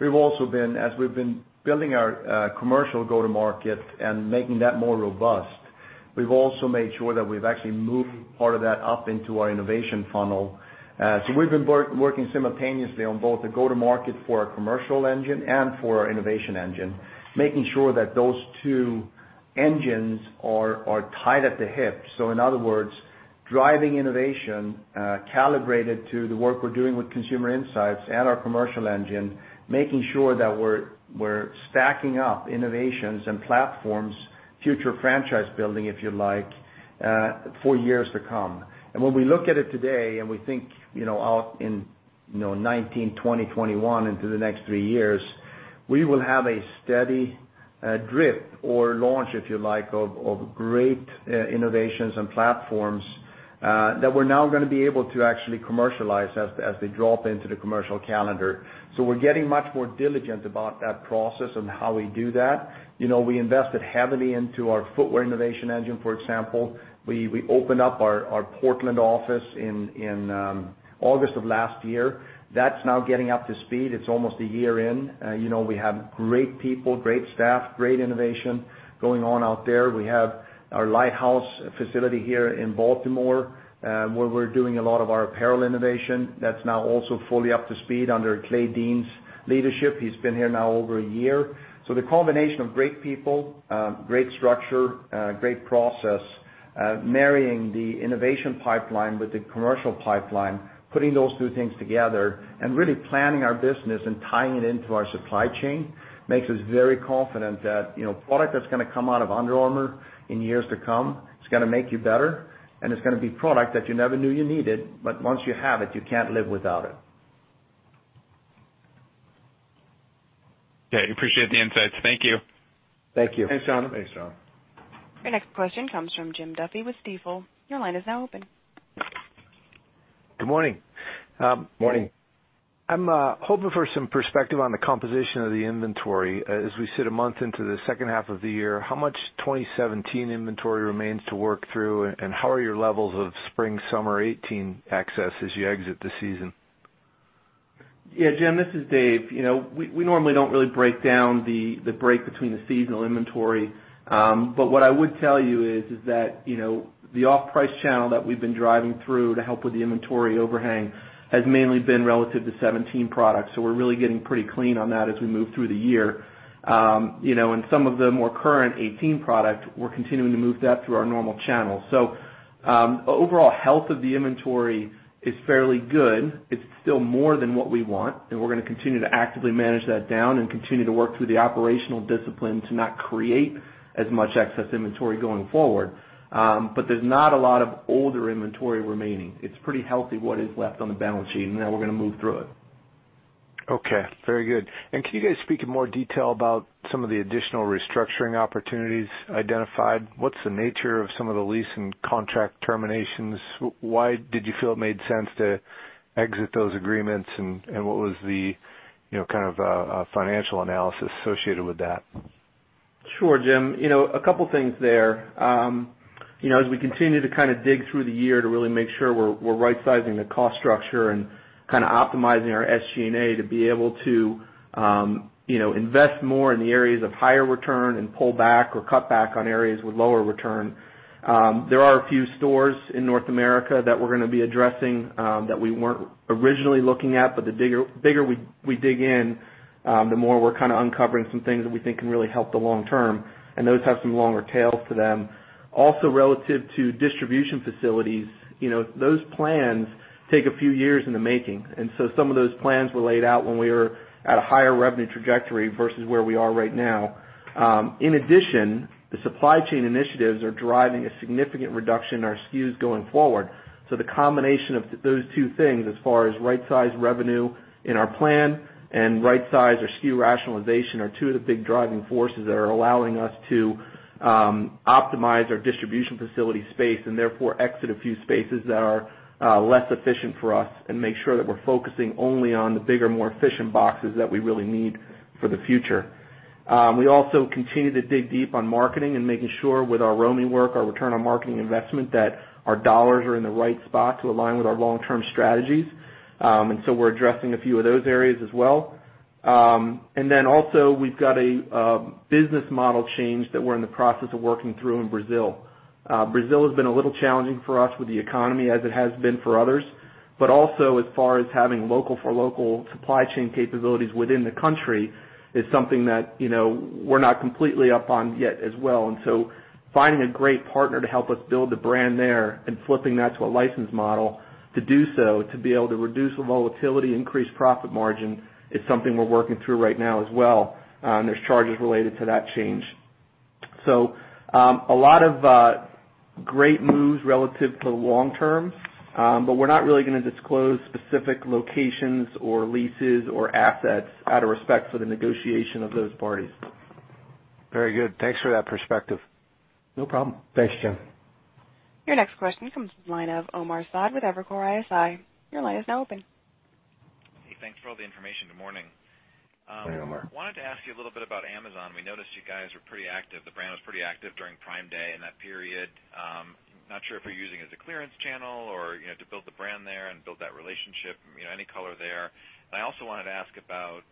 as we've been building our commercial go-to-market and making that more robust, we've also made sure that we've actually moved part of that up into our innovation funnel. We've been working simultaneously on both the go-to-market for our commercial engine and for our innovation engine, making sure that those two engines are tied at the hip. In other words, driving innovation, calibrated to the work we're doing with consumer insights and our commercial engine, making sure that we're stacking up innovations and platforms, future franchise building, if you like, for years to come. When we look at it today and we think out in 2019, 2020, 2021, into the next three years, we will have a steady drip or launch, if you like, of great innovations and platforms that we're now going to be able to actually commercialize as they drop into the commercial calendar. We're getting much more diligent about that process and how we do that. We invested heavily into our footwear innovation engine, for example. We opened up our Portland office in August of last year. That's now getting up to speed. It's almost a year in. We have great people, great staff, great innovation going on out there. We have our lighthouse facility here in Baltimore, where we're doing a lot of our apparel innovation. That's now also fully up to speed under Clay Dean's leadership. He's been here now over a year. The combination of great people, great structure, great process, marrying the innovation pipeline with the commercial pipeline, putting those two things together and really planning our business and tying it into our supply chain makes us very confident that product that's going to come out of Under Armour in years to come, it's going to make you better, and it's going to be product that you never knew you needed, but once you have it, you can't live without it. Okay. Appreciate the insights. Thank you. Thank you. Thanks, Sean. Thanks, Sean. Our next question comes from Jim Duffy with Stifel. Your line is now open. Good morning. Morning. I'm hoping for some perspective on the composition of the inventory. As we sit a month into the second half of the year, how much 2017 inventory remains to work through, and how are your levels of spring/summer 2018 access as you exit the season? Yeah, Jim, this is Dave. We normally don't really break down the break between the seasonal inventory. What I would tell you is that the off-price channel that we've been driving through to help with the inventory overhang has mainly been relative to 2017 products. We're really getting pretty clean on that as we move through the year. Some of the more current 2018 product, we're continuing to move that through our normal channels. Overall health of the inventory is fairly good. It's still more than what we want, and we're going to continue to actively manage that down and continue to work through the operational discipline to not create as much excess inventory going forward. There's not a lot of older inventory remaining. It's pretty healthy what is left on the balance sheet, and now we're going to move through it. Okay. Very good. Can you guys speak in more detail about some of the additional restructuring opportunities identified? What's the nature of some of the lease and contract terminations? Why did you feel it made sense to exit those agreements? What was the financial analysis associated with that? Sure, Jim. A couple things there. As we continue to dig through the year to really make sure we're right-sizing the cost structure and optimizing our SG&A to be able to invest more in the areas of higher return and pull back or cut back on areas with lower return. There are a few stores in North America that we're going to be addressing that we weren't originally looking at, but the bigger we dig in, the more we're uncovering some things that we think can really help the long term, and those have some longer tails to them. Also, relative to distribution facilities, those plans take a few years in the making. Some of those plans were laid out when we were at a higher revenue trajectory versus where we are right now. In addition, the supply chain initiatives are driving a significant reduction in our SKUs going forward. The combination of those two things as far as right-size revenue in our plan and right-size or SKU rationalization are two of the big driving forces that are allowing us to optimize our distribution facility space and therefore exit a few spaces that are less efficient for us and make sure that we're focusing only on the bigger, more efficient boxes that we really need for the future. We also continue to dig deep on marketing and making sure with our ROMI work, our return on marketing investment, that our dollars are in the right spot to align with our long-term strategies. We're addressing a few of those areas as well. Also, we've got a business model change that we're in the process of working through in Brazil. Brazil has been a little challenging for us with the economy as it has been for others, but also as far as having local for local supply chain capabilities within the country is something that we're not completely up on yet as well. Finding a great partner to help us build the brand there and flipping that to a license model to do so, to be able to reduce the volatility, increase profit margin, is something we're working through right now as well. There's charges related to that change. A lot of great moves relative to the long term, we're not really going to disclose specific locations or leases or assets out of respect for the negotiation of those parties. Very good. Thanks for that perspective. No problem. Thanks, Kevin. Your next question comes from the line of Omar Saad with Evercore ISI. Your line is now open. Hey, thanks for all the information. Good morning. Hey, Omar. Wanted to ask you a little bit about Amazon. We noticed you guys were pretty active. The brand was pretty active during Prime Day and that period. Not sure if you're using it as a clearance channel or to build the brand there and build that relationship, any color there. I also wanted to ask about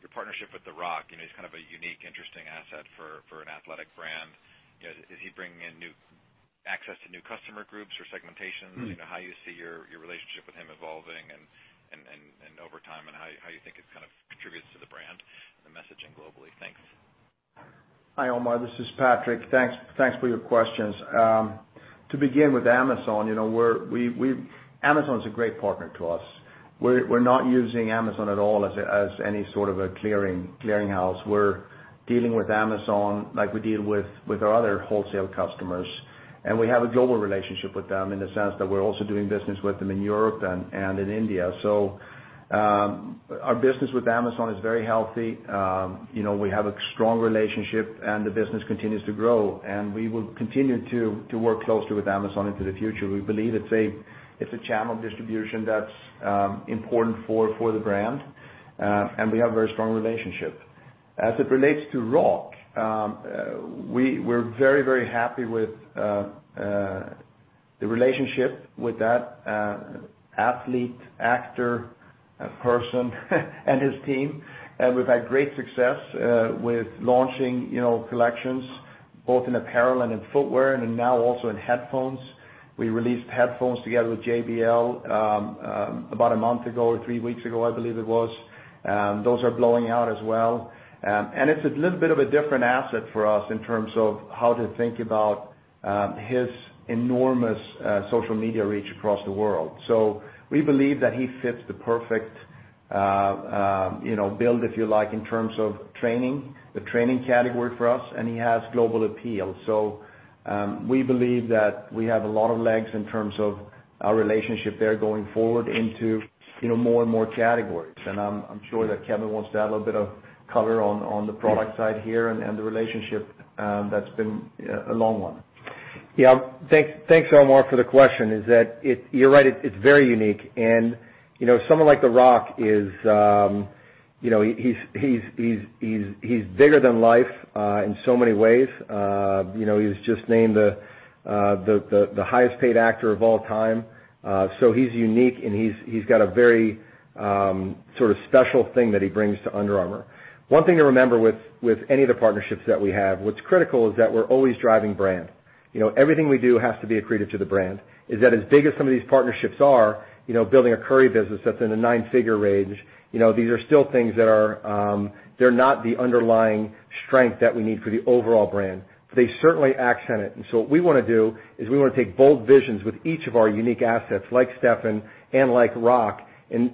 your partnership with The Rock. He's kind of a unique, interesting asset for an athletic brand. Is he bringing in access to new customer groups or segmentations? How you see your relationship with him evolving and over time, and how you think it kind of contributes to the brand and the messaging globally? Thanks. Hi, Omar. This is Patrik. Thanks for your questions. To begin with Amazon's a great partner to us. We're not using Amazon at all as any sort of a clearing house. We're dealing with Amazon like we deal with our other wholesale customers, and we have a global relationship with them in the sense that we're also doing business with them in Europe and in India. Our business with Amazon is very healthy. We have a strong relationship, and the business continues to grow, and we will continue to work closely with Amazon into the future. We believe it's a channel of distribution that's important for the brand, and we have a very strong relationship. As it relates to The Rock, we're very happy with the relationship with that athlete, actor, person and his team. We've had great success with launching collections both in apparel and in footwear and now also in headphones. We released headphones together with JBL about a month ago, or three weeks ago, I believe it was. Those are blowing out as well. It's a little bit of a different asset for us in terms of how to think about his enormous social media reach across the world. We believe that he fits the perfect build, if you like, in terms of training, the training category for us, and he has global appeal. We believe that we have a lot of legs in terms of our relationship there going forward into more and more categories. I'm sure that Kevin wants to add a little bit of color on the product side here and the relationship that's been a long one. Thanks, Omar, for the question, is that you're right, it's very unique. Someone like The Rock, he's bigger than life in so many ways. He was just named the highest-paid actor of all time. He's unique, and he's got a very sort of special thing that he brings to Under Armour. One thing to remember with any of the partnerships that we have, what's critical is that we're always driving brand. Everything we do has to be accretive to the brand. As big as some of these partnerships are, building a Curry business that's in the nine-figure range, these are still things that are not the underlying strength that we need for the overall brand. They certainly accent it. What we want to do is we want to take bold visions with each of our unique assets like Stephen and like Rock. These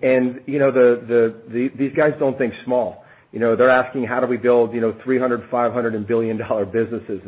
guys don't think small. They're asking, "How do we build $300, $500 and billion-dollar businesses?"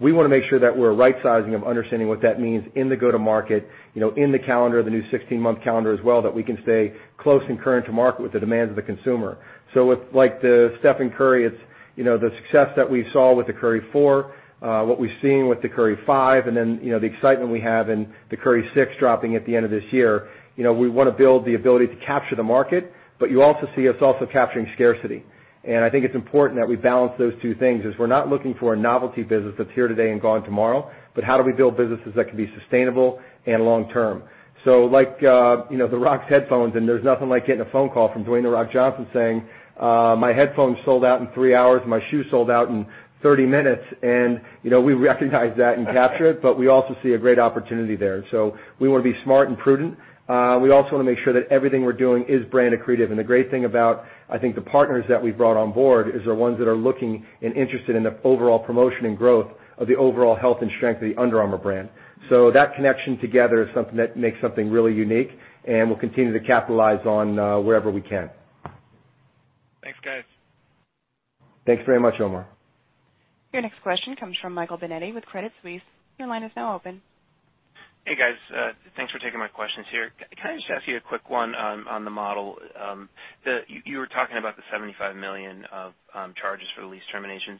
We want to make sure that we're rightsizing of understanding what that means in the go-to market, in the calendar, the new 16-month calendar as well, that we can stay close and current to market with the demands of the consumer. With like the Stephen Curry, it's the success that we saw with the Curry 4, what we've seen with the Curry 5, and then the excitement we have in the Curry 6 dropping at the end of this year. We want to build the ability to capture the market, you also see us also capturing scarcity. I think it's important that we balance those two things, as we're not looking for a novelty business that's here today and gone tomorrow, but how do we build businesses that can be sustainable and long-term? Like The Rock's headphones, there's nothing like getting a phone call from Dwayne "The Rock" Johnson saying, "My headphones sold out in three hours. My shoes sold out in 30 minutes." We recognize that and capture it, we also see a great opportunity there. We want to be smart and prudent. We also want to make sure that everything we're doing is brand accretive. The great thing about, I think, the partners that we've brought on board is they're ones that are looking and interested in the overall promotion and growth of the overall health and strength of the Under Armour brand. That connection together is something that makes something really unique, we'll continue to capitalize on wherever we can. Thanks, guys. Thanks very much, Omar. Your next question comes from Michael Binetti with Credit Suisse. Your line is now open. Hey, guys. Thanks for taking my questions here. Can I just ask you a quick one on the model? You were talking about the $75 million of charges for the lease termination.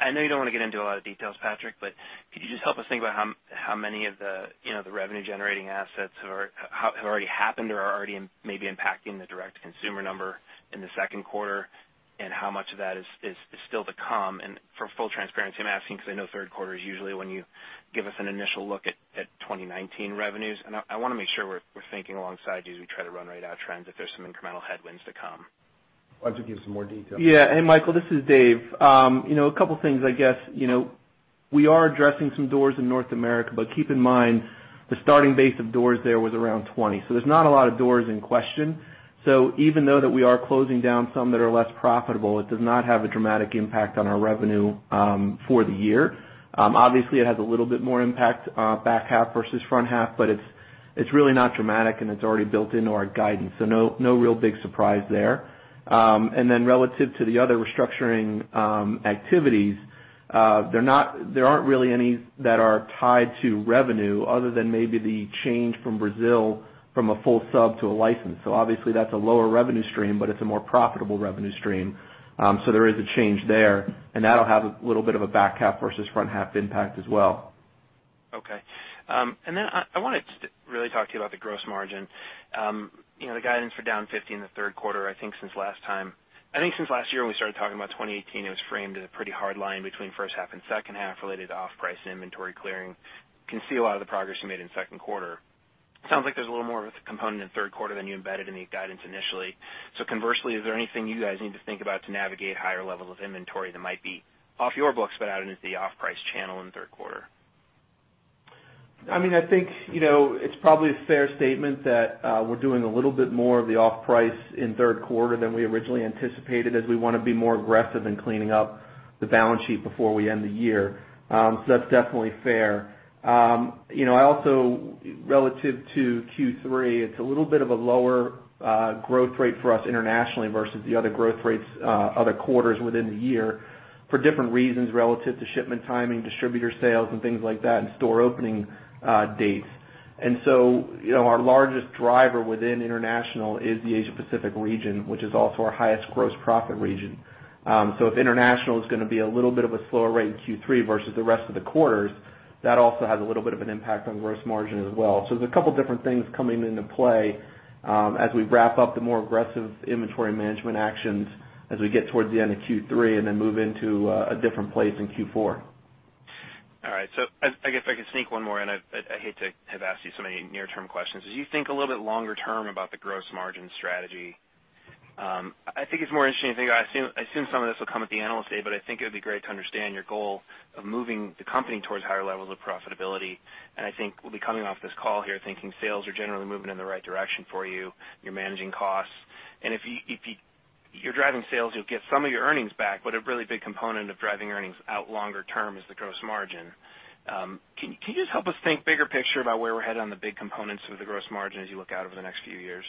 I know you don't want to get into a lot of details, Patrik, but could you just help us think about how many of the revenue-generating assets have already happened or are already maybe impacting the direct-to-consumer number in the second quarter, how much of that is still to come? For full transparency, I'm asking because I know third quarter is usually when you give us an initial look at 2019 revenues. I want to make sure we're thinking alongside you as we try to run right our trends if there's some incremental headwinds to come. Why don't you give some more details? Yeah. Hey, Michael, this is Dave. A couple of things, I guess. We are addressing some doors in North America, keep in mind, the starting base of doors there was around 20. There's not a lot of doors in question. Even though that we are closing down some that are less profitable, it does not have a dramatic impact on our revenue for the year. Obviously, it has a little bit more impact back half versus front half, it's really not dramatic, and it's already built into our guidance. No real big surprise there. Relative to the other restructuring activities, there aren't really any that are tied to revenue other than maybe the change from Brazil from a full sub to a license. Obviously that's a lower revenue stream, it's a more profitable revenue stream. There is a change there, and that'll have a little bit of a back half versus front half impact as well. Okay. I wanted to really talk to you about the gross margin. The guidance for down 50 in the third quarter, I think since last year, when we started talking about 2018, it was framed as a pretty hard line between first half and second half related to off-price inventory clearing. I can see a lot of the progress you made in the second quarter. Sounds like there's a little more of a component in the third quarter than you embedded in the guidance initially. Conversely, is there anything you guys need to think about to navigate higher levels of inventory that might be off your books but out into the off-price channel in the third quarter? I think it's probably a fair statement that we're doing a little bit more of the off-price in the third quarter than we originally anticipated, as we want to be more aggressive in cleaning up the balance sheet before we end the year. That's definitely fair. Also relative to Q3, it's a little bit of a lower growth rate for us internationally versus the other growth rates other quarters within the year for different reasons relative to shipment timing, distributor sales, and things like that, and store opening dates. Our largest driver within international is the Asia Pacific region, which is also our highest gross profit region. If international is going to be a little bit of a slower rate in Q3 versus the rest of the quarters, that also has a little bit of an impact on gross margin as well. There's a couple of different things coming into play as we wrap up the more aggressive inventory management actions as we get towards the end of Q3 and then move into a different place in Q4. All right. I guess I can sneak one more in. I hate to have asked you so many near-term questions. As you think a little bit longer term about the gross margin strategy, I think it's more interesting to think about. I assume some of this will come at the analyst day, but I think it would be great to understand your goal of moving the company towards higher levels of profitability. I think we'll be coming off this call here thinking sales are generally moving in the right direction for you. You're managing costs. If you're driving sales, you'll get some of your earnings back. A really big component of driving earnings out longer term is the gross margin. Can you just help us think bigger picture about where we're headed on the big components of the gross margin as you look out over the next few years?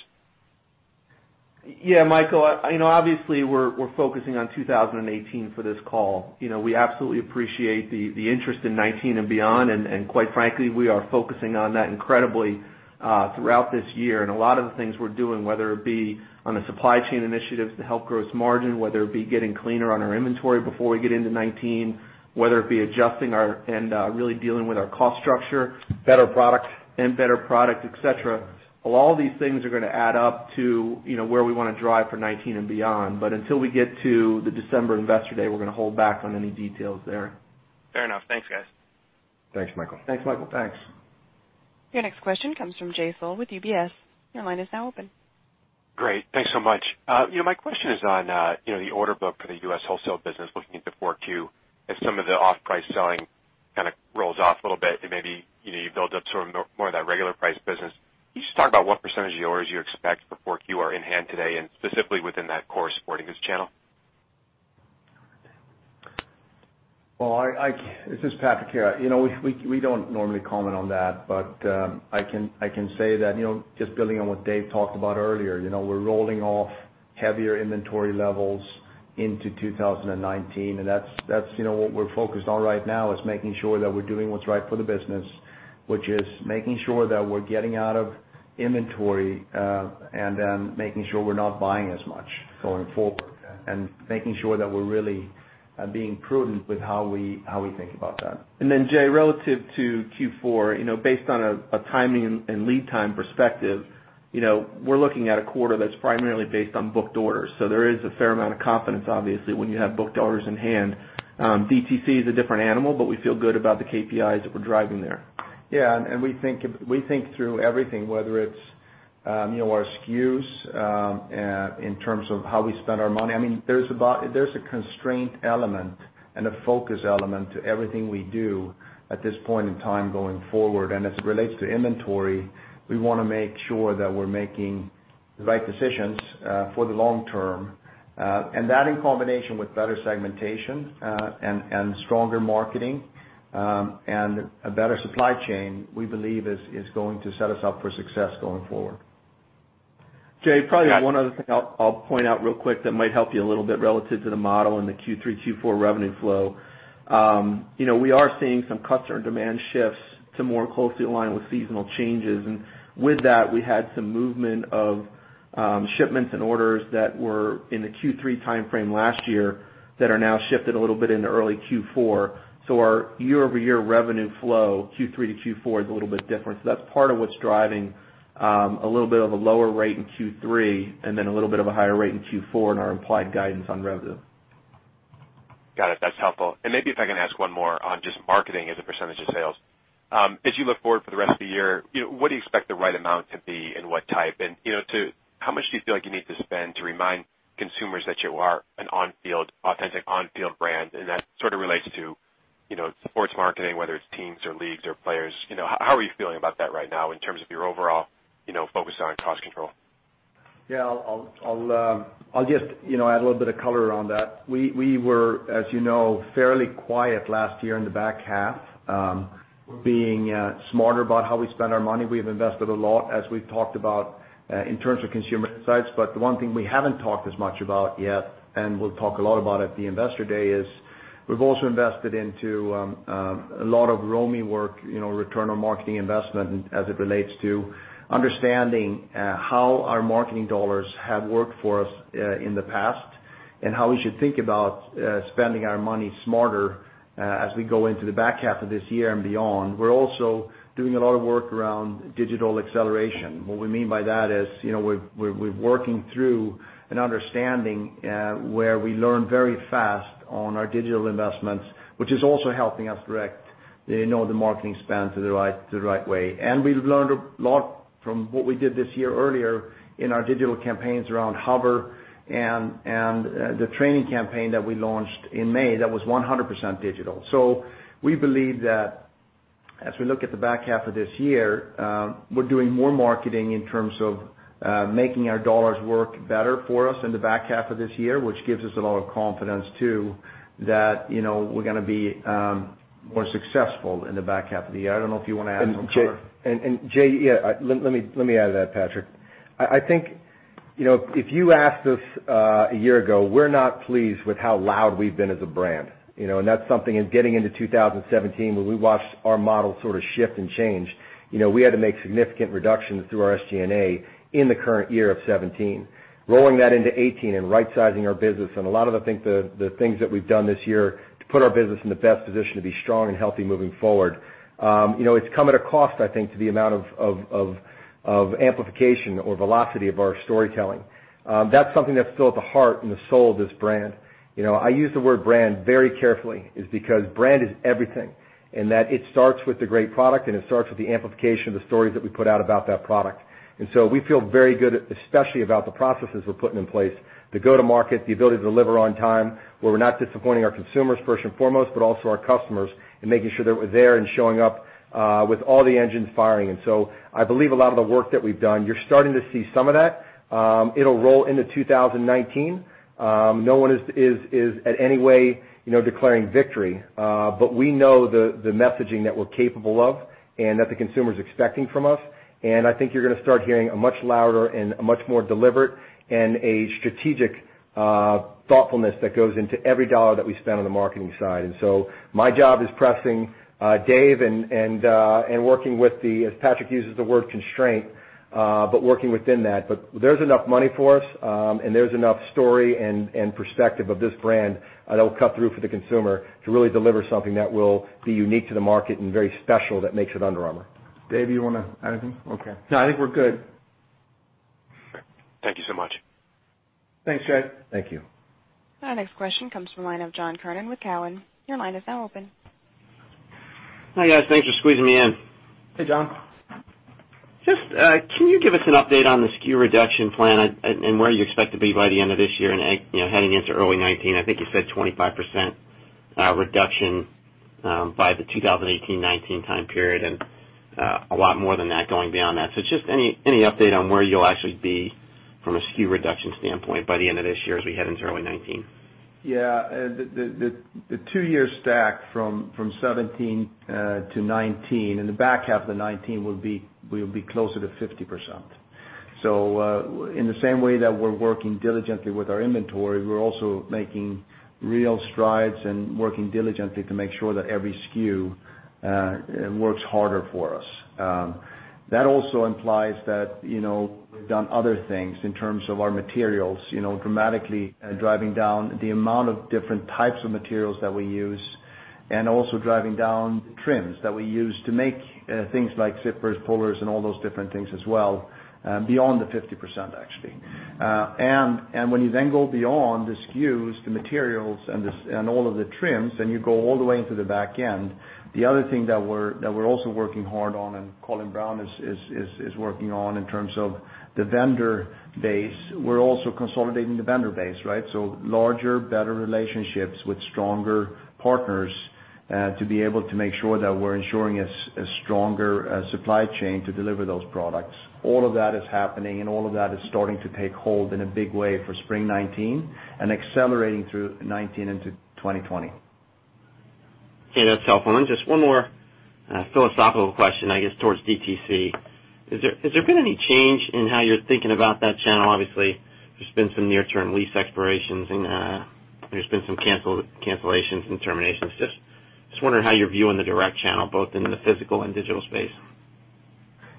Michael. Obviously, we're focusing on 2018 for this call. We absolutely appreciate the interest in 2019 and beyond. Quite frankly, we are focusing on that incredibly throughout this year. A lot of the things we're doing, whether it be on the supply chain initiatives to help gross margin, whether it be getting cleaner on our inventory before we get into 2019, whether it be adjusting and really dealing with our cost structure, better products, and better product, et cetera. All these things are going to add up to where we want to drive for 2019 and beyond. Until we get to the December investor day, we're going to hold back on any details there. Fair enough. Thanks, guys. Thanks, Michael. Thanks, Michael. Thanks. Your next question comes from Jay Sole with UBS. Your line is now open. Great. Thanks so much. My question is on the order book for the U.S. wholesale business, looking into 4Q, as some of the off-price selling kind of rolls off a little bit and maybe you build up to more of that regular price business. Can you just talk about what % of the orders you expect for 4Q are in hand today, and specifically within that core sporting goods channel? Well, this is Patrik here. We don't normally comment on that. I can say that, just building on what Dave talked about earlier, we're rolling off heavier inventory levels into 2019. That's what we're focused on right now, is making sure that we're doing what's right for the business, which is making sure that we're getting out of inventory making sure we're not buying as much going forward making sure that we're really being prudent with how we think about that. Jay, relative to Q4, based on a timing and lead time perspective, we're looking at a quarter that's primarily based on booked orders. There is a fair amount of confidence, obviously, when you have booked orders in hand. DTC is a different animal, but we feel good about the KPIs that we're driving there. We think through everything, whether it's our SKUs in terms of how we spend our money. There's a constraint element and a focus element to everything we do at this point in time going forward. As it relates to inventory, we want to make sure that we're making the right decisions for the long term. That in combination with better segmentation and stronger marketing and a better supply chain, we believe is going to set us up for success going forward. Jay, probably one other thing I'll point out real quick that might help you a little bit relative to the model and the Q3, Q4 revenue flow. We are seeing some customer demand shifts to more closely align with seasonal changes. With that, we had some movement of Shipments and orders that were in the Q3 timeframe last year that are now shifted a little bit into early Q4. Our year-over-year revenue flow, Q3 to Q4, is a little bit different. That's part of what's driving a little bit of a lower rate in Q3, and then a little bit of a higher rate in Q4 in our implied guidance on revenue. Got it. That's helpful. Maybe if I can ask one more on just marketing as a percentage of sales. As you look forward for the rest of the year, what do you expect the right amount to be and what type? How much do you feel like you need to spend to remind consumers that you are an authentic on-field brand, and that sort of relates to sports marketing, whether it's teams or leagues or players. How are you feeling about that right now in terms of your overall focus on cost control? Yeah. I'll just add a little bit of color around that. We were, as you know, fairly quiet last year in the back half. We're being smarter about how we spend our money. We've invested a lot, as we've talked about, in terms of consumer insights. The one thing we haven't talked as much about yet, and we'll talk a lot about at the investor day, is we've also invested into a lot of ROMI work, return on marketing investment, as it relates to understanding how our marketing dollars have worked for us in the past and how we should think about spending our money smarter as we go into the back half of this year and beyond. We're also doing a lot of work around digital acceleration. What we mean by that is we're working through an understanding where we learn very fast on our digital investments, which is also helping us direct the marketing spend to the right way. We've learned a lot from what we did this year earlier in our digital campaigns around HOVR and the training campaign that we launched in May that was 100% digital. We believe that as we look at the back half of this year, we're doing more marketing in terms of making our dollars work better for us in the back half of this year, which gives us a lot of confidence, too, that we're going to be more successful in the back half of the year. I don't know if you want to add some color. Jay, let me add to that, Patrik. I think, if you asked us a year ago, we're not pleased with how loud we've been as a brand. That's something in getting into 2017, when we watched our model sort of shift and change, we had to make significant reductions through our SG&A in the current year of 2017. Rolling that into 2018 and right-sizing our business, and a lot of, I think, the things that we've done this year to put our business in the best position to be strong and healthy moving forward. It's come at a cost, I think, to the amount of amplification or velocity of our storytelling. That's something that's still at the heart and the soul of this brand. I use the word brand very carefully, is because brand is everything, and that it starts with a great product and it starts with the amplification of the stories that we put out about that product. We feel very good, especially about the processes we're putting in place, the go to market, the ability to deliver on time, where we're not disappointing our consumers first and foremost, but also our customers and making sure that we're there and showing up with all the engines firing. I believe a lot of the work that we've done, you're starting to see some of that. It'll roll into 2019. No one is at any way declaring victory. We know the messaging that we're capable of and that the consumer's expecting from us. I think you're going to start hearing a much louder and a much more deliberate and a strategic thoughtfulness that goes into every dollar that we spend on the marketing side. My job is pressing Dave and working with the, as Patrik uses the word constraint, but working within that. There's enough money for us, and there's enough story and perspective of this brand that'll cut through for the consumer to really deliver something that will be unique to the market and very special that makes it Under Armour. Dave, you want to add anything? Okay. No, I think we're good. Thank you so much. Thanks, Jay. Thank you. Our next question comes from the line of John Kernan with Cowen. Your line is now open. Hi, guys. Thanks for squeezing me in. Hey, John. Can you give us an update on the SKU reduction plan and where you expect to be by the end of this year and heading into early 2019? I think you said 25% reduction by the 2018-2019 time period, and a lot more than that going beyond that. Just any update on where you'll actually be from a SKU reduction standpoint by the end of this year as we head into early 2019? Yeah. The two-year stack from 2017 to 2019, in the back half of the 2019, we'll be closer to 50%. In the same way that we're working diligently with our inventory, we're also making real strides and working diligently to make sure that every SKU works harder for us. That also implies that we've done other things in terms of our materials, dramatically driving down the amount of different types of materials that we use, and also driving down trims that we use to make things like zippers, pullers, and all those different things as well, beyond the 50%, actually. When you then go beyond the SKUs, the materials, and all of the trims, and you go all the way into the back end, the other thing that we're also working hard on, and Colin Browne is working on in terms of the vendor base, we're also consolidating the vendor base, right? Larger, better relationships with stronger partners to be able to make sure that we're ensuring a stronger supply chain to deliver those products. All of that is happening and all of that is starting to take hold in a big way for spring 2019 and accelerating through 2019 into 2020. Okay. That's helpful. Then just one more philosophical question, I guess, towards DTC. Has there been any change in how you're thinking about that channel? Obviously, there's been some near-term lease expirations, some cancellations and terminations. Just wondering how you're viewing the direct channel, both in the physical and digital space.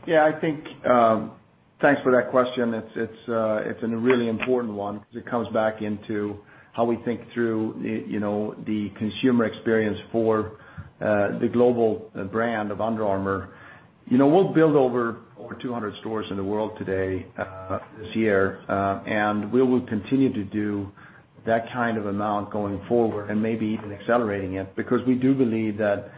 Yeah. Thanks for that question. It's a really important one because it comes back into how we think through the consumer experience for the global brand of Under Armour. We'll build over 200 stores in the world today, this year. We will continue to do that kind of amount going forward and maybe even accelerating it, because we do believe that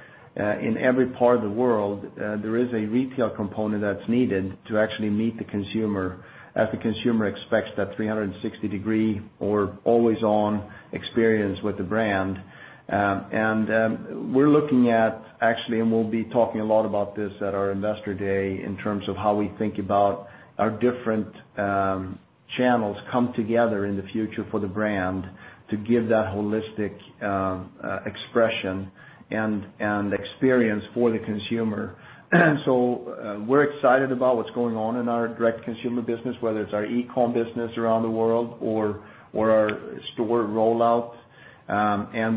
in every part of the world, there is a retail component that's needed to actually meet the consumer, as the consumer expects that 360-degree or always-on experience with the brand. We're looking at, actually, and we'll be talking a lot about this at our Investor Day, in terms of how we think about our different channels come together in the future for the brand to give that holistic expression and experience for the consumer. We're excited about what's going on in our direct consumer business, whether it's our e-com business around the world or our store rollout.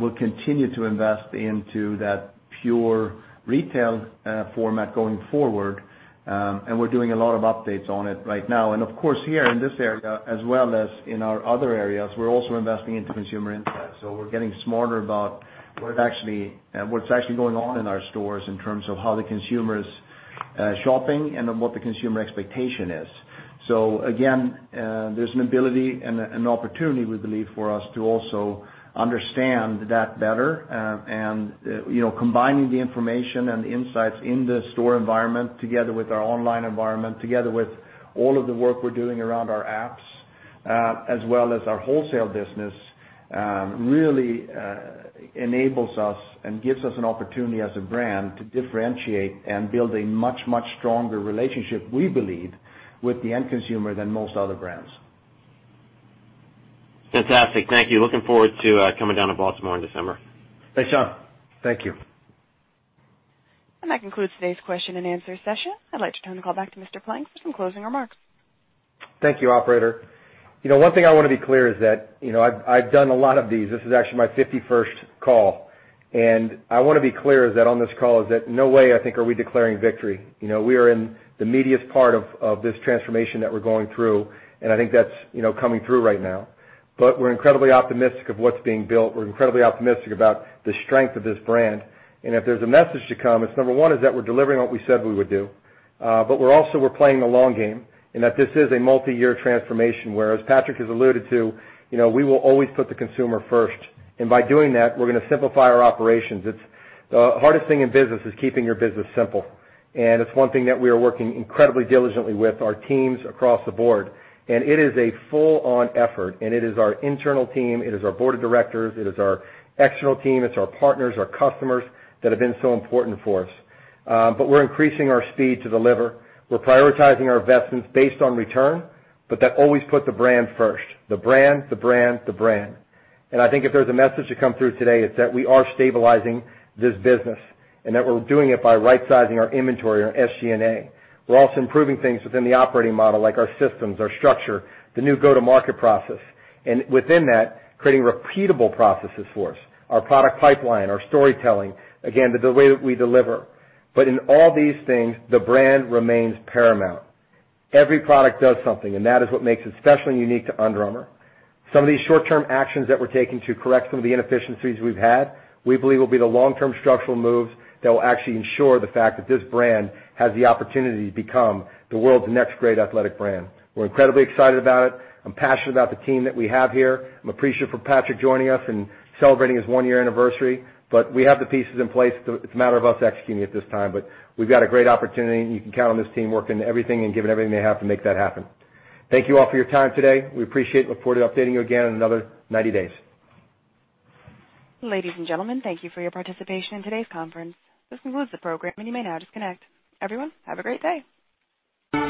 We'll continue to invest into that pure retail format going forward. We're doing a lot of updates on it right now. Of course, here in this area, as well as in our other areas, we're also investing into consumer insights. We're getting smarter about what's actually going on in our stores in terms of how the consumer is shopping then what the consumer expectation is. Again, there's an ability and an opportunity, we believe, for us to also understand that better. Combining the information and the insights in the store environment, together with our online environment, together with all of the work we're doing around our apps, as well as our wholesale business, really enables us and gives us an opportunity as a brand to differentiate and build a much stronger relationship, we believe, with the end consumer than most other brands. Fantastic. Thank you. Looking forward to coming down to Baltimore in December. Thanks, Sean. Thank you. That concludes today's question and answer session. I'd like to turn the call back to Mr. Plank for some closing remarks. Thank you, operator. One thing I want to be clear is that I've done a lot of these. This is actually my 51st call. I want to be clear, is that on this call, is that no way I think, are we declaring victory. We are in the meatiest part of this transformation that we're going through, and I think that's coming through right now. We're incredibly optimistic of what's being built. We're incredibly optimistic about the strength of this brand. If there's a message to come, it's number one, is that we're delivering what we said we would do. We're also we're playing the long game and that this is a multi-year transformation, where, as Patrik has alluded to, we will always put the consumer first. By doing that, we're going to simplify our operations. The hardest thing in business is keeping your business simple. It's one thing that we are working incredibly diligently with our teams across the board. It is a full-on effort, and it is our internal team, it is our board of directors, it is our external team, it's our partners, our customers that have been so important for us. We're increasing our speed to deliver. We're prioritizing our investments based on return, but that always put the brand first. The brand. I think if there's a message to come through today, it's that we are stabilizing this business, and that we're doing it by right-sizing our inventory and our SG&A. We're also improving things within the operating model, like our systems, our structure, the new go-to-market process, and within that, creating repeatable processes for us, our product pipeline, our storytelling, again, the way that we deliver. In all these things, the brand remains paramount. Every product does something, and that is what makes it special and unique to Under Armour. Some of these short-term actions that we're taking to correct some of the inefficiencies we've had, we believe will be the long-term structural moves that will actually ensure the fact that this brand has the opportunity to become the world's next great athletic brand. We're incredibly excited about it. I'm passionate about the team that we have here. I'm appreciative for Patrik joining us and celebrating his one-year anniversary. We have the pieces in place. It's a matter of us executing at this time. We've got a great opportunity, and you can count on this team working everything and giving everything they have to make that happen. Thank you all for your time today. We appreciate it. Look forward to updating you again in another 90 days. Ladies and gentlemen, thank you for your participation in today's conference. This concludes the program, and you may now disconnect. Everyone, have a great day.